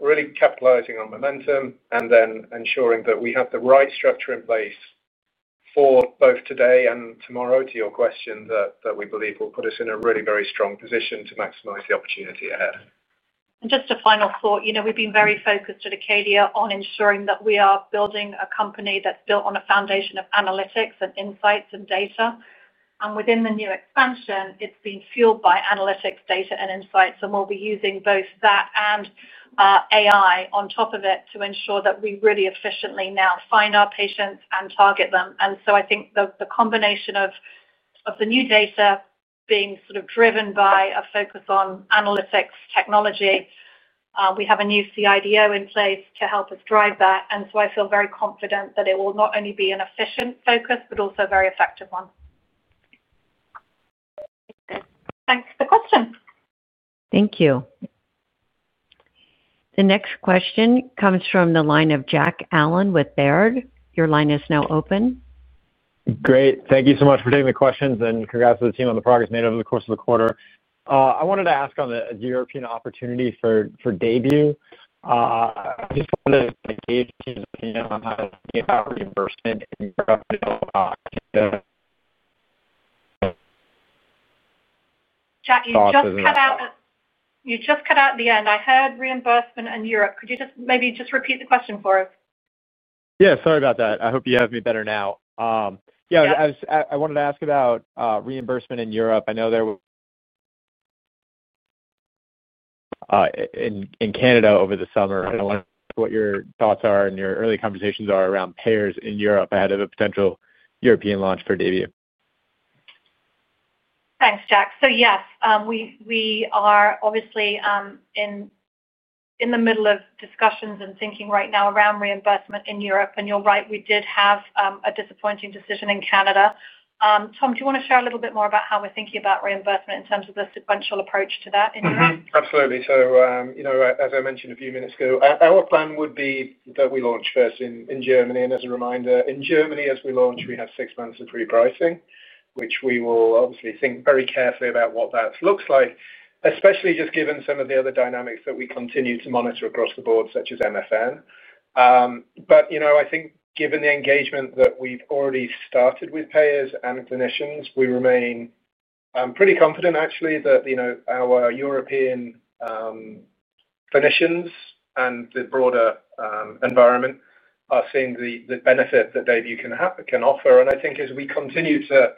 S4: really capitalizing on momentum and then ensuring that we have the right structure in place. For both today and tomorrow, to your question, that we believe will put us in a really very strong position to maximize the opportunity ahead.
S3: And just a final thought. We've been very focused at ACADIA on ensuring that we are building a company that's built on a foundation of analytics and insights and data. And within the new expansion, it's been fueled by analytics, data, and insights. And we'll be using both that and. AI on top of it to ensure that we really efficiently now find our patients and target them. And so I think the combination of. The new data being sort of driven by a focus on analytics technology, we have a new CIDO in place to help us drive that. And so I feel very confident that it will not only be an efficient focus, but also a very effective one. Thanks for the question.
S1: Thank you. The next question comes from the line of Jack Allen with Baird. Your line is now open.
S16: Great. Thank you so much for taking the questions, and congrats to the team on the progress made over the course of the quarter. I wanted to ask on the European opportunity for DAYBUE. I just wanted to gauge your opinion on how to see about reimbursement in Europe and not.
S3: Jack, you just cut out. You just cut out at the end. I heard reimbursement in Europe. Could you just maybe just repeat the question for us?
S16: Yeah. Sorry about that. I hope you heard me better now. Yeah. I wanted to ask about reimbursement in Europe. I know there was. In Canada over the summer. And I wanted to know what your thoughts are and your early conversations are around payers in Europe ahead of a potential European launch for DAYBUE.
S3: Thanks, Jack. So yes, we are obviously. In the middle of discussions and thinking right now around reimbursement in Europe. And you're right. We did have a disappointing decision in Canada. Tom, do you want to share a little bit more about how we're thinking about reimbursement in terms of the sequential approach to that in Europe?
S4: Absolutely. So as I mentioned a few minutes ago, our plan would be that we launch first in Germany. And as a reminder, in Germany, as we launch, we have six months of free pricing, which we will obviously think very carefully about what that looks like, especially just given some of the other dynamics that we continue to monitor across the board, such as MFN. But I think given the engagement that we've already started with payers and clinicians, we remain. Pretty confident, actually, that our European. Clinicians and the broader environment are seeing the benefit that DAYBUE can offer. And I think as we continue to.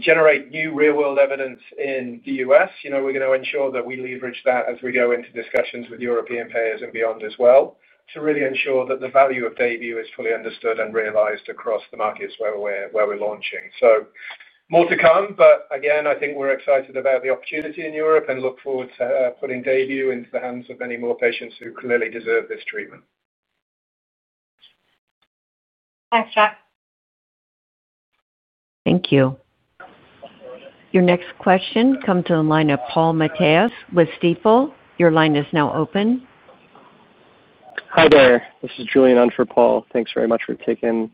S4: Generate new real-world evidence in the U.S., we're going to ensure that we leverage that as we go into discussions with European payers and beyond as well to really ensure that the value of DAYBUE is fully understood and realized across the markets where we're launching. So more to come. But again, I think we're excited about the opportunity in Europe and look forward to putting DAYBUE into the hands of many more patients who clearly deserve this treatment.
S3: Thanks, Jack.
S1: Thank you. Your next question comes to the line of Paul Mateus with Stifel. Your line is now open. Hi there. This is Julianne for Paul. Thanks very much for taking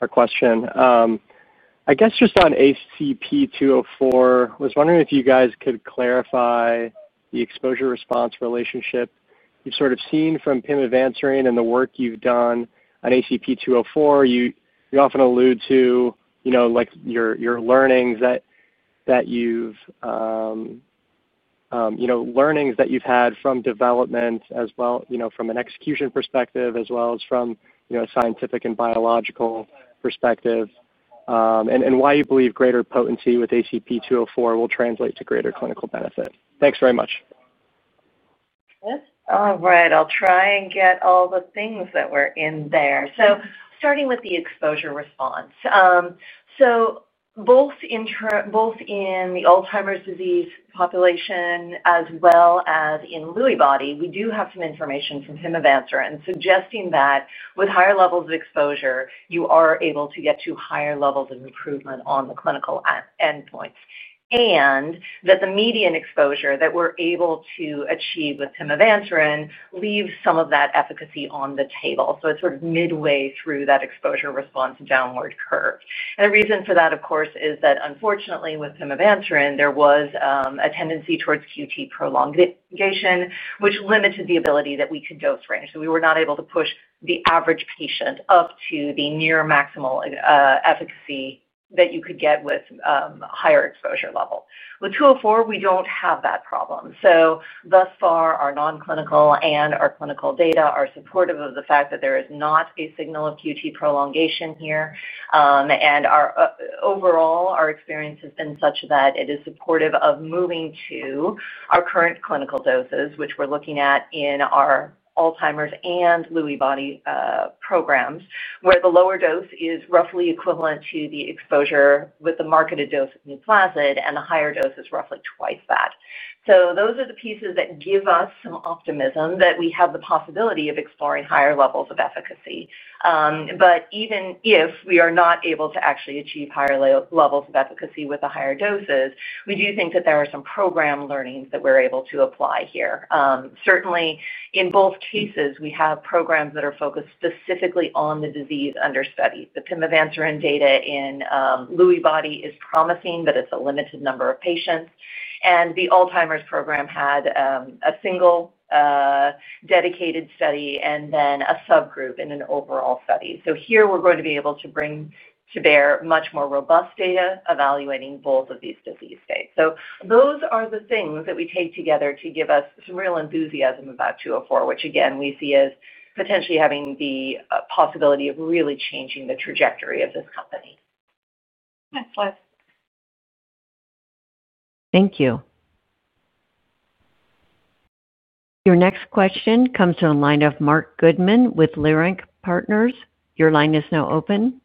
S1: our question. I guess just on ACP-204, I was wondering if you guys could clarify the exposure response relationship you've sort of seen from pimavanserin and the work you've done on ACP-204. You often allude to your learnings that you've had from development as well, from an execution perspective, as well as from a scientific and biological perspective, and why you believe greater potency with ACP-204 will translate to greater clinical benefit. Thanks very much.
S5: All right. I'll try and get all the things that were in there. So starting with the exposure response. So both. In the Alzheimer's disease population as well as in Lewy Body, we do have some information from pimavanserin and suggesting that with higher levels of exposure, you are able to get to higher levels of improvement on the clinical endpoints. And that the median exposure that we're able to achieve with pimavanserin leaves some of that efficacy on the table. So it's sort of midway through that exposure response downward curve. And the reason for that, of course, is that, unfortunately, with pimavanserin, there was a tendency towards QT prolongation, which limited the ability that we could dose range. So we were not able to push the average patient up to the near maximal efficacy that you could get with a higher exposure level. With ACP-204, we don't have that problem. So thus far, our non-clinical and our clinical data are supportive of the fact that there is not a signal of QT prolongation here. And overall, our experience has been such that it is supportive of moving to our current clinical doses, which we're looking at in our Alzheimer's and Lewy Body programs, where the lower dose is roughly equivalent to the exposure with the marketed dose of NUPLAZID, and the higher dose is roughly twice that. So those are the pieces that give us some optimism that we have the possibility of exploring higher levels of efficacy. But even if we are not able to actually achieve higher levels of efficacy with the higher doses, we do think that there are some program learnings that we're able to apply here. Certainly, in both cases, we have programs that are focused specifically on the disease under study. The pimavanserin data in Lewy Body is promising, but it's a limited number of patients. And the Alzheimer's program had a single. Dedicated study and then a subgroup in an overall study. So here, we're going to be able to bring to bear much more robust data evaluating both of these disease states. So those are the things that we take together to give us some real enthusiasm about ACP-204, which, again, we see as potentially having the possibility of really changing the trajectory of this company.
S3: Thanks, Liz.
S1: Thank you. Your next question comes to the line of Marc Goodman with Lyrinx Partners. Your line is now open.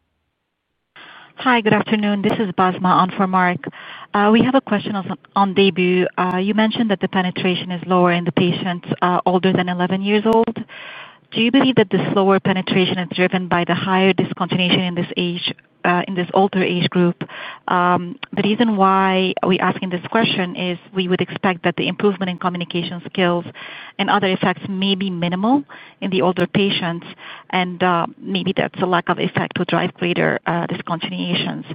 S1: Hi. Good afternoon. This is Basma on for Mark. We have a question on DAYBUE. You mentioned that the penetration is lower in the patients older than 11 years old. Do you believe that this lower penetration is driven by the higher discontinuation in this age, in this older age group? The reason why we're asking this question is we would expect that the improvement in communication skills and other effects may be minimal in the older patients, and maybe that's a lack of effect to drive greater discontinuations.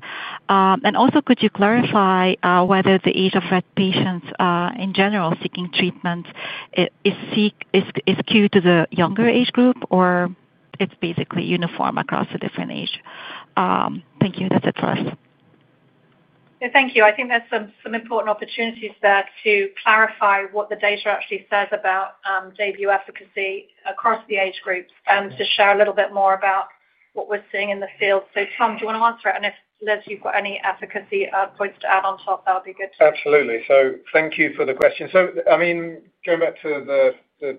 S1: And also, could you clarify whether the age of patients in general seeking treatment. Is key to the younger age group, or it's basically uniform across a different age? Thank you. That's it for us.
S3: Thank you. I think there's some important opportunities there to clarify what the data actually says about DAYBUE efficacy across the age groups and to share a little bit more about what we're seeing in the field. So Tom, do you want to answer it? And if, Liz, you've got any efficacy points to add on top, that would be good too.
S4: Absolutely. So thank you for the question. So I mean, going back to the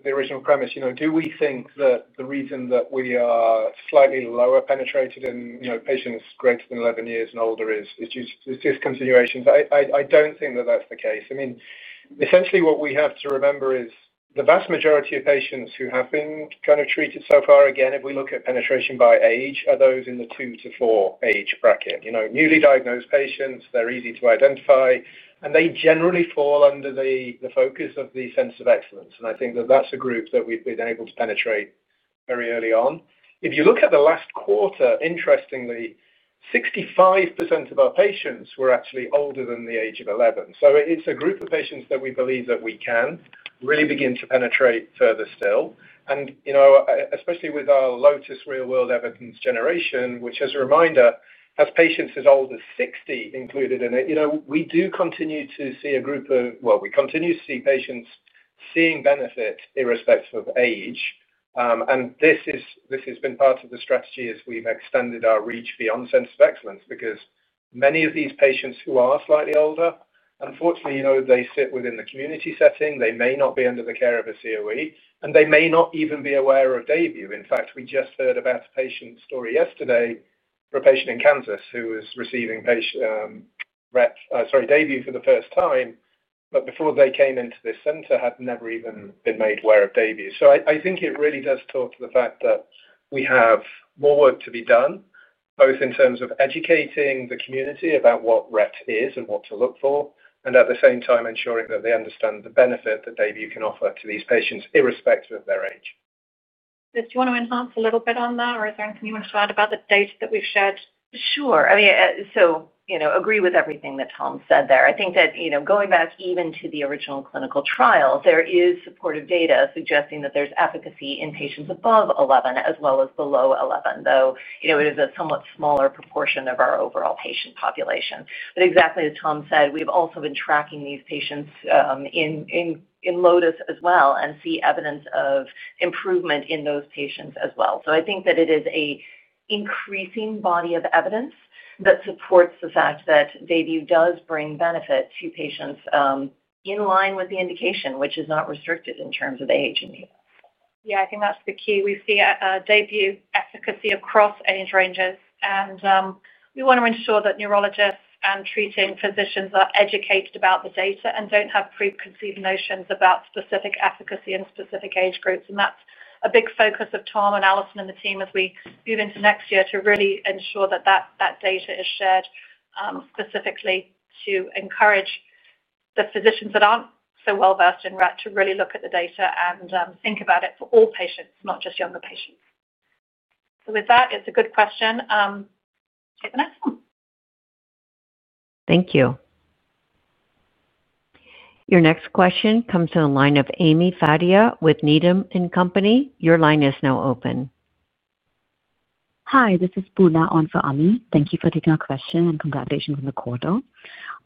S4: original premise, do we think that the reason that we are slightly lower penetrated in patients greater than 11 years and older is discontinuations? I don't think that that's the case. I mean, essentially, what we have to remember is the vast majority of patients who have been kind of treated so far, again, if we look at penetration by age, are those in the two to four age bracket. Newly diagnosed patients, they're easy to identify, and they generally fall under the focus of the sense of excellence. And I think that that's a group that we've been able to penetrate very early on. If you look at the last quarter, interestingly, 65% of our patients were actually older than the age of 11. So it's a group of patients that we believe that we can really begin to penetrate further still. And. Especially with our Lotus real-world evidence generation, which, as a reminder, has patients as old as 60 included in it, we do continue to see a group of, well, we continue to see patients seeing benefit irrespective of age. And this has been part of the strategy as we've extended our reach beyond sense of excellence because many of these patients who are slightly older, unfortunately, they sit within the community setting. They may not be under the care of a COE, and they may not even be aware of DAYBUE. In fact, we just heard about a patient's story yesterday for a patient in Kansas who was receiving. DAYBUE for the first time, but before they came into this center, had never even been made aware of DAYBUE. So I think it really does talk to the fact that we have more work to be done, both in terms of educating the community about what RET is and what to look for, and at the same time, ensuring that they understand the benefit that DAYBUE can offer to these patients irrespective of their age.
S3: Liz, do you want to enhance a little bit on that, or is there anything you want to add about the data that we've shared?
S5: Sure. I mean, so agree with everything that Tom said there. I think that going back even to the original clinical trials, there is supportive data suggesting that there's efficacy in patients above 11 as well as below 11, though it is a somewhat smaller proportion of our overall patient population. But exactly as Tom said, we've also been tracking these patients. In Lotus as well and see evidence of improvement in those patients as well. So I think that it is an increasing body of evidence that supports the fact that DAYBUE does bring benefit to patients. In line with the indication, which is not restricted in terms of age and need.
S3: Yeah. I think that's the key. We see a DAYBUE efficacy across age ranges. And we want to ensure that neurologists and treating physicians are educated about the data and don't have preconceived notions about specific efficacy in specific age groups. And that's a big focus of Tom and Allison and the team as we move into next year to really ensure that that data is shared specifically to encourage the physicians that aren't so well-versed in RET to really look at the data and think about it for all patients, not just younger patients. So with that, it's a good question. Take the next one.
S1: Thank you. Your next question comes to the line of Ami Fadia with Needham & Company. Your line is now open. Hi. This is Poona on for Amy. Thank you for taking our question and congratulations on the quarter.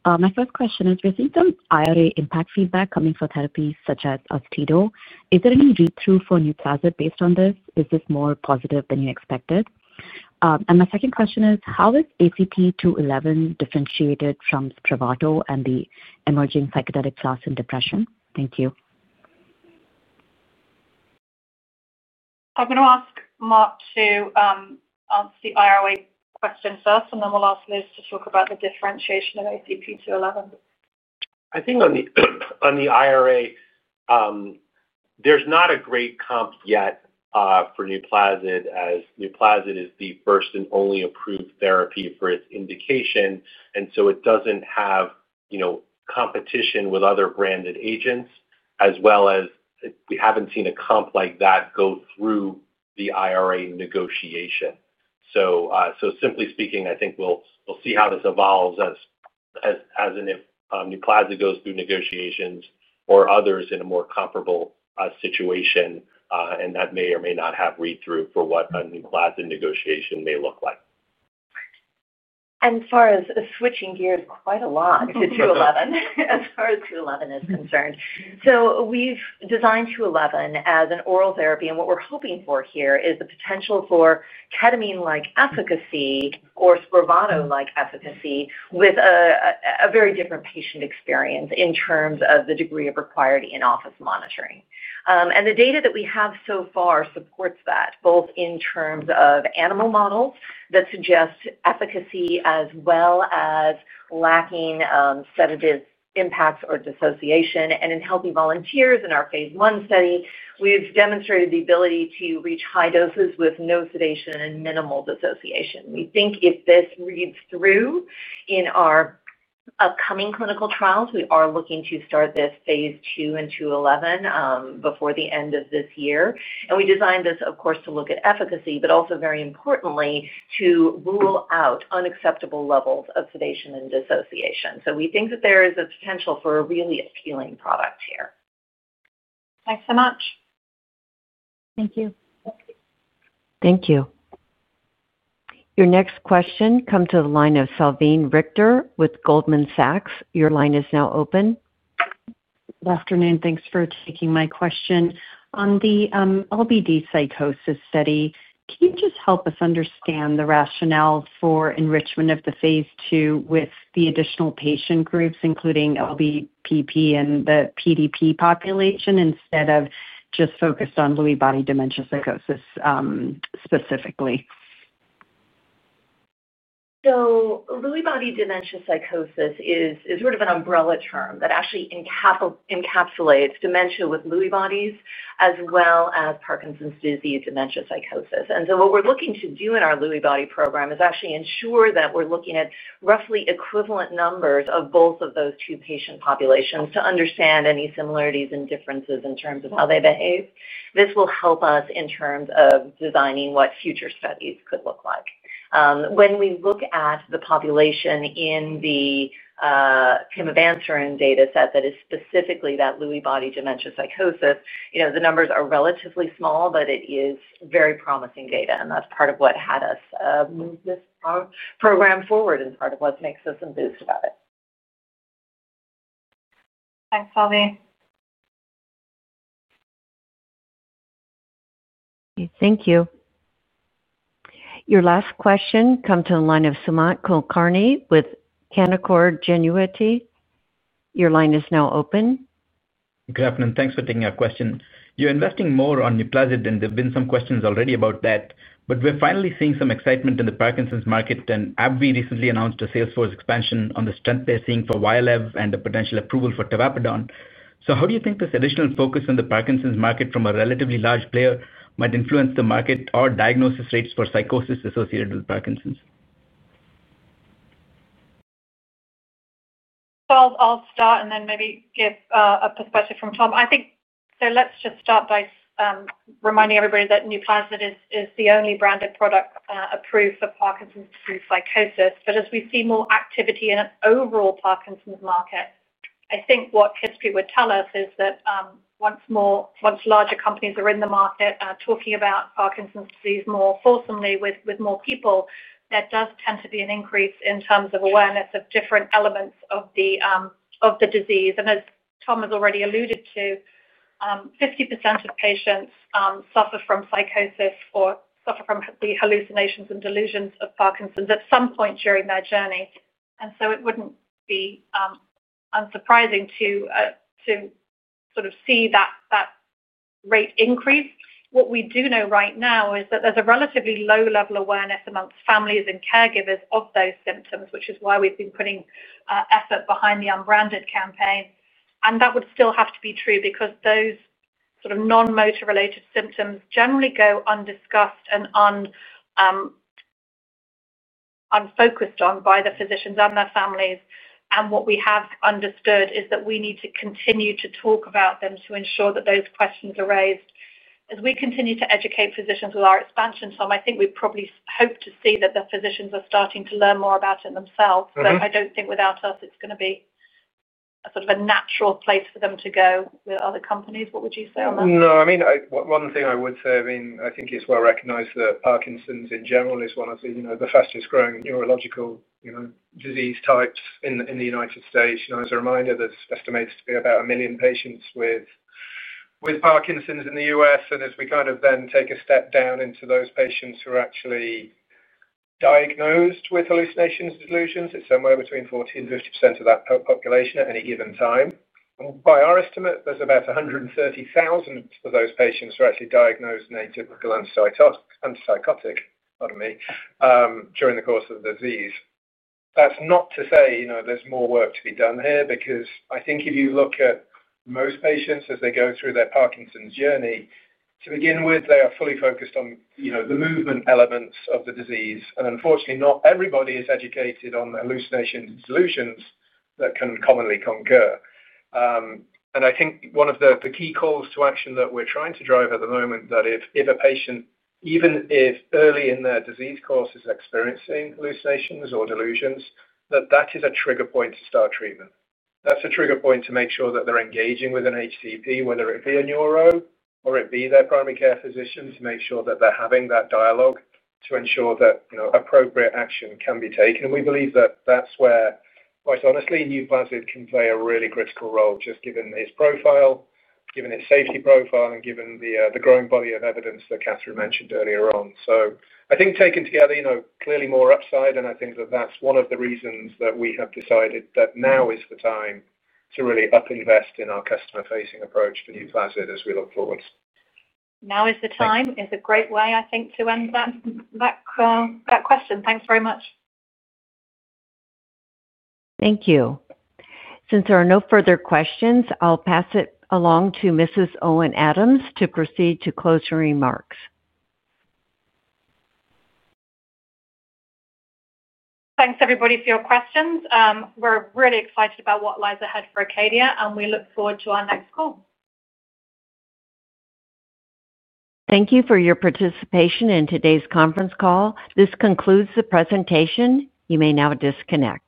S1: My first question is, we're seeing some IRA impact feedback coming for therapies such as Osteo. Is there any read-through for NUPLAZID based on this? Is this more positive than you expected? And my second question is, how is ACP-211 differentiated from Spravato and the emerging psychedelic class in depression? Thank you.
S3: I'm going to ask Mark to. Answer the IRA question first, and then we'll ask Liz to talk about the differentiation of ACP-211.
S6: I think on the IRA. There's not a great comp yet for NUPLAZID as NUPLAZID is the first and only approved therapy for its indication. And so it doesn't have. Competition with other branded agents, as well as we haven't seen a comp like that go through the IRA negotiation. So simply speaking, I think we'll see how this evolves as. NUPLAZID goes through negotiations or others in a more comparable situation. And that may or may not have read-through for what a NUPLAZID negotiation may look like.
S5: And as far as switching gears, quite a lot to ACP-211 as far as ACP-211 is concerned. So we've designed ACP-211 as an oral therapy. And what we're hoping for here is the potential for ketamine-like efficacy or Spravato-like efficacy with a very different patient experience in terms of the degree of required in-office monitoring. And the data that we have so far supports that, both in terms of animal models that suggest efficacy as well as. Lacking sedative impacts or dissociation. And in healthy volunteers in our phase one study, we've demonstrated the ability to reach high doses with no sedation and minimal dissociation. We think if this reads through in our. Upcoming clinical trials, we are looking to start this phase II and ACP-211 before the end of this year. And we designed this, of course, to look at efficacy, but also, very importantly, to rule out unacceptable levels of sedation and dissociation. So we think that there is a potential for a really appealing product here.
S3: Thanks so much. Thank you.
S1: Thank you. Your next question comes to the line of Salveen Richter with Goldman Sachs. Your line is now open.
S17: Good afternoon. Thanks for taking my question. On the LBD psychosis study, can you just help us understand the rationale for enrichment of the phase II with the additional patient groups, including LBPP and the PDP population, instead of just focused on Lewy Body dementia psychosis. Specifically?
S5: So Lewy Body dementia psychosis is sort of an umbrella term that actually encapsulates dementia with Lewy bodies as well as Parkinson's disease dementia psychosis. And so what we're looking to do in our Lewy Body program is actually ensure that we're looking at roughly equivalent numbers of both of those two patient populations to understand any similarities and differences in terms of how they behave. This will help us in terms of designing what future studies could look like. When we look at the population in the. pimavanserin data set that is specifically that Lewy Body dementia psychosis, the numbers are relatively small, but it is very promising data. And that's part of what had us move this program forward and part of what makes us enthused about it.
S3: Thanks, Salveen.
S1: Thank you. Your last question comes to the line of Sumant Kulkarni with Canaccord Genuity. Your line is now open.
S18: Good afternoon. Thanks for taking our question. You're investing more on NUPLAZID than there've been some questions already about that. But we're finally seeing some excitement in the Parkinson's market, and AbbVie recently announced a sales force expansion on the strength they're seeing for Wylev and the potential approval for Tevapodon. So how do you think this additional focus on the Parkinson's market from a relatively large player might influence the market or diagnosis rates for psychosis associated with Parkinson's?
S3: So I'll start and then maybe give a perspective from Tom. So let's just start by. Reminding everybody that NUPLAZID is the only branded product approved for Parkinson's disease psychosis. But as we see more activity in an overall Parkinson's market, I think what history would tell us is that once larger companies are in the market talking about Parkinson's disease more fulsomely with more people, there does tend to be an increase in terms of awareness of different elements of the. Disease. And as Tom has already alluded to. 50% of patients suffer from psychosis or suffer from the hallucinations and delusions of Parkinson's at some point during their journey. And so it wouldn't be. Unsurprising to. Sort of see that. Rate increase. What we do know right now is that there's a relatively low-level awareness amongst families and caregivers of those symptoms, which is why we've been putting effort behind the unbranded campaign. And that would still have to be true because those sort of non-motor-related symptoms generally go undiscussed and. Unfocused on by the physicians and their families. And what we have understood is that we need to continue to talk about them to ensure that those questions are raised. As we continue to educate physicians with our expansion, Tom, I think we probably hope to see that the physicians are starting to learn more about it themselves. But I don't think without us it's going to be. A sort of a natural place for them to go with other companies. What would you say on that?
S4: No. I mean, one thing I would say, I mean, I think it's well recognized that Parkinson's, in general, is one of the fastest-growing neurological. Disease types in the United States. As a reminder, there's estimated to be about a million patients with. Parkinson's in the U.S. And as we kind of then take a step down into those patients who are actually. Diagnosed with hallucinations and delusions, it's somewhere between 40% and 50% of that population at any given time. And by our estimate, there's about 130,000 of those patients who are actually diagnosed in atypical and psychotic during the course of the disease. That's not to say there's more work to be done here because I think if you look at most patients as they go through their Parkinson's journey, to begin with, they are fully focused on the movement elements of the disease. And unfortunately, not everybody is educated on hallucinations and delusions that can commonly concur. And I think one of the key calls to action that we're trying to drive at the moment is that if a patient, even if early in their disease course, is experiencing hallucinations or delusions, that that is a trigger point to start treatment. That's a trigger point to make sure that they're engaging with an HCP, whether it be a neuro or it be their primary care physician, to make sure that they're having that dialogue to ensure that appropriate action can be taken. And we believe that that's where, quite honestly, NUPLAZID can play a really critical role just given its profile, given its safety profile, and given the growing body of evidence that Catherine mentioned earlier on. So I think taken together, clearly more upside. And I think that that's one of the reasons that we have decided that now is the time to really up-invest in our customer-facing approach to NUPLAZID as we look forward.
S3: Now is the time is a great way, I think, to end that. Question. Thanks very much.
S1: Thank you. Since there are no further questions, I'll pass it along to Mrs. Owen Adams to proceed to close her remarks.
S3: Thanks, everybody, for your questions. We're really excited about what lies ahead for ACADIA, and we look forward to our next call.
S1: Thank you for your participation in today's conference call. This concludes the presentation. You may now disconnect.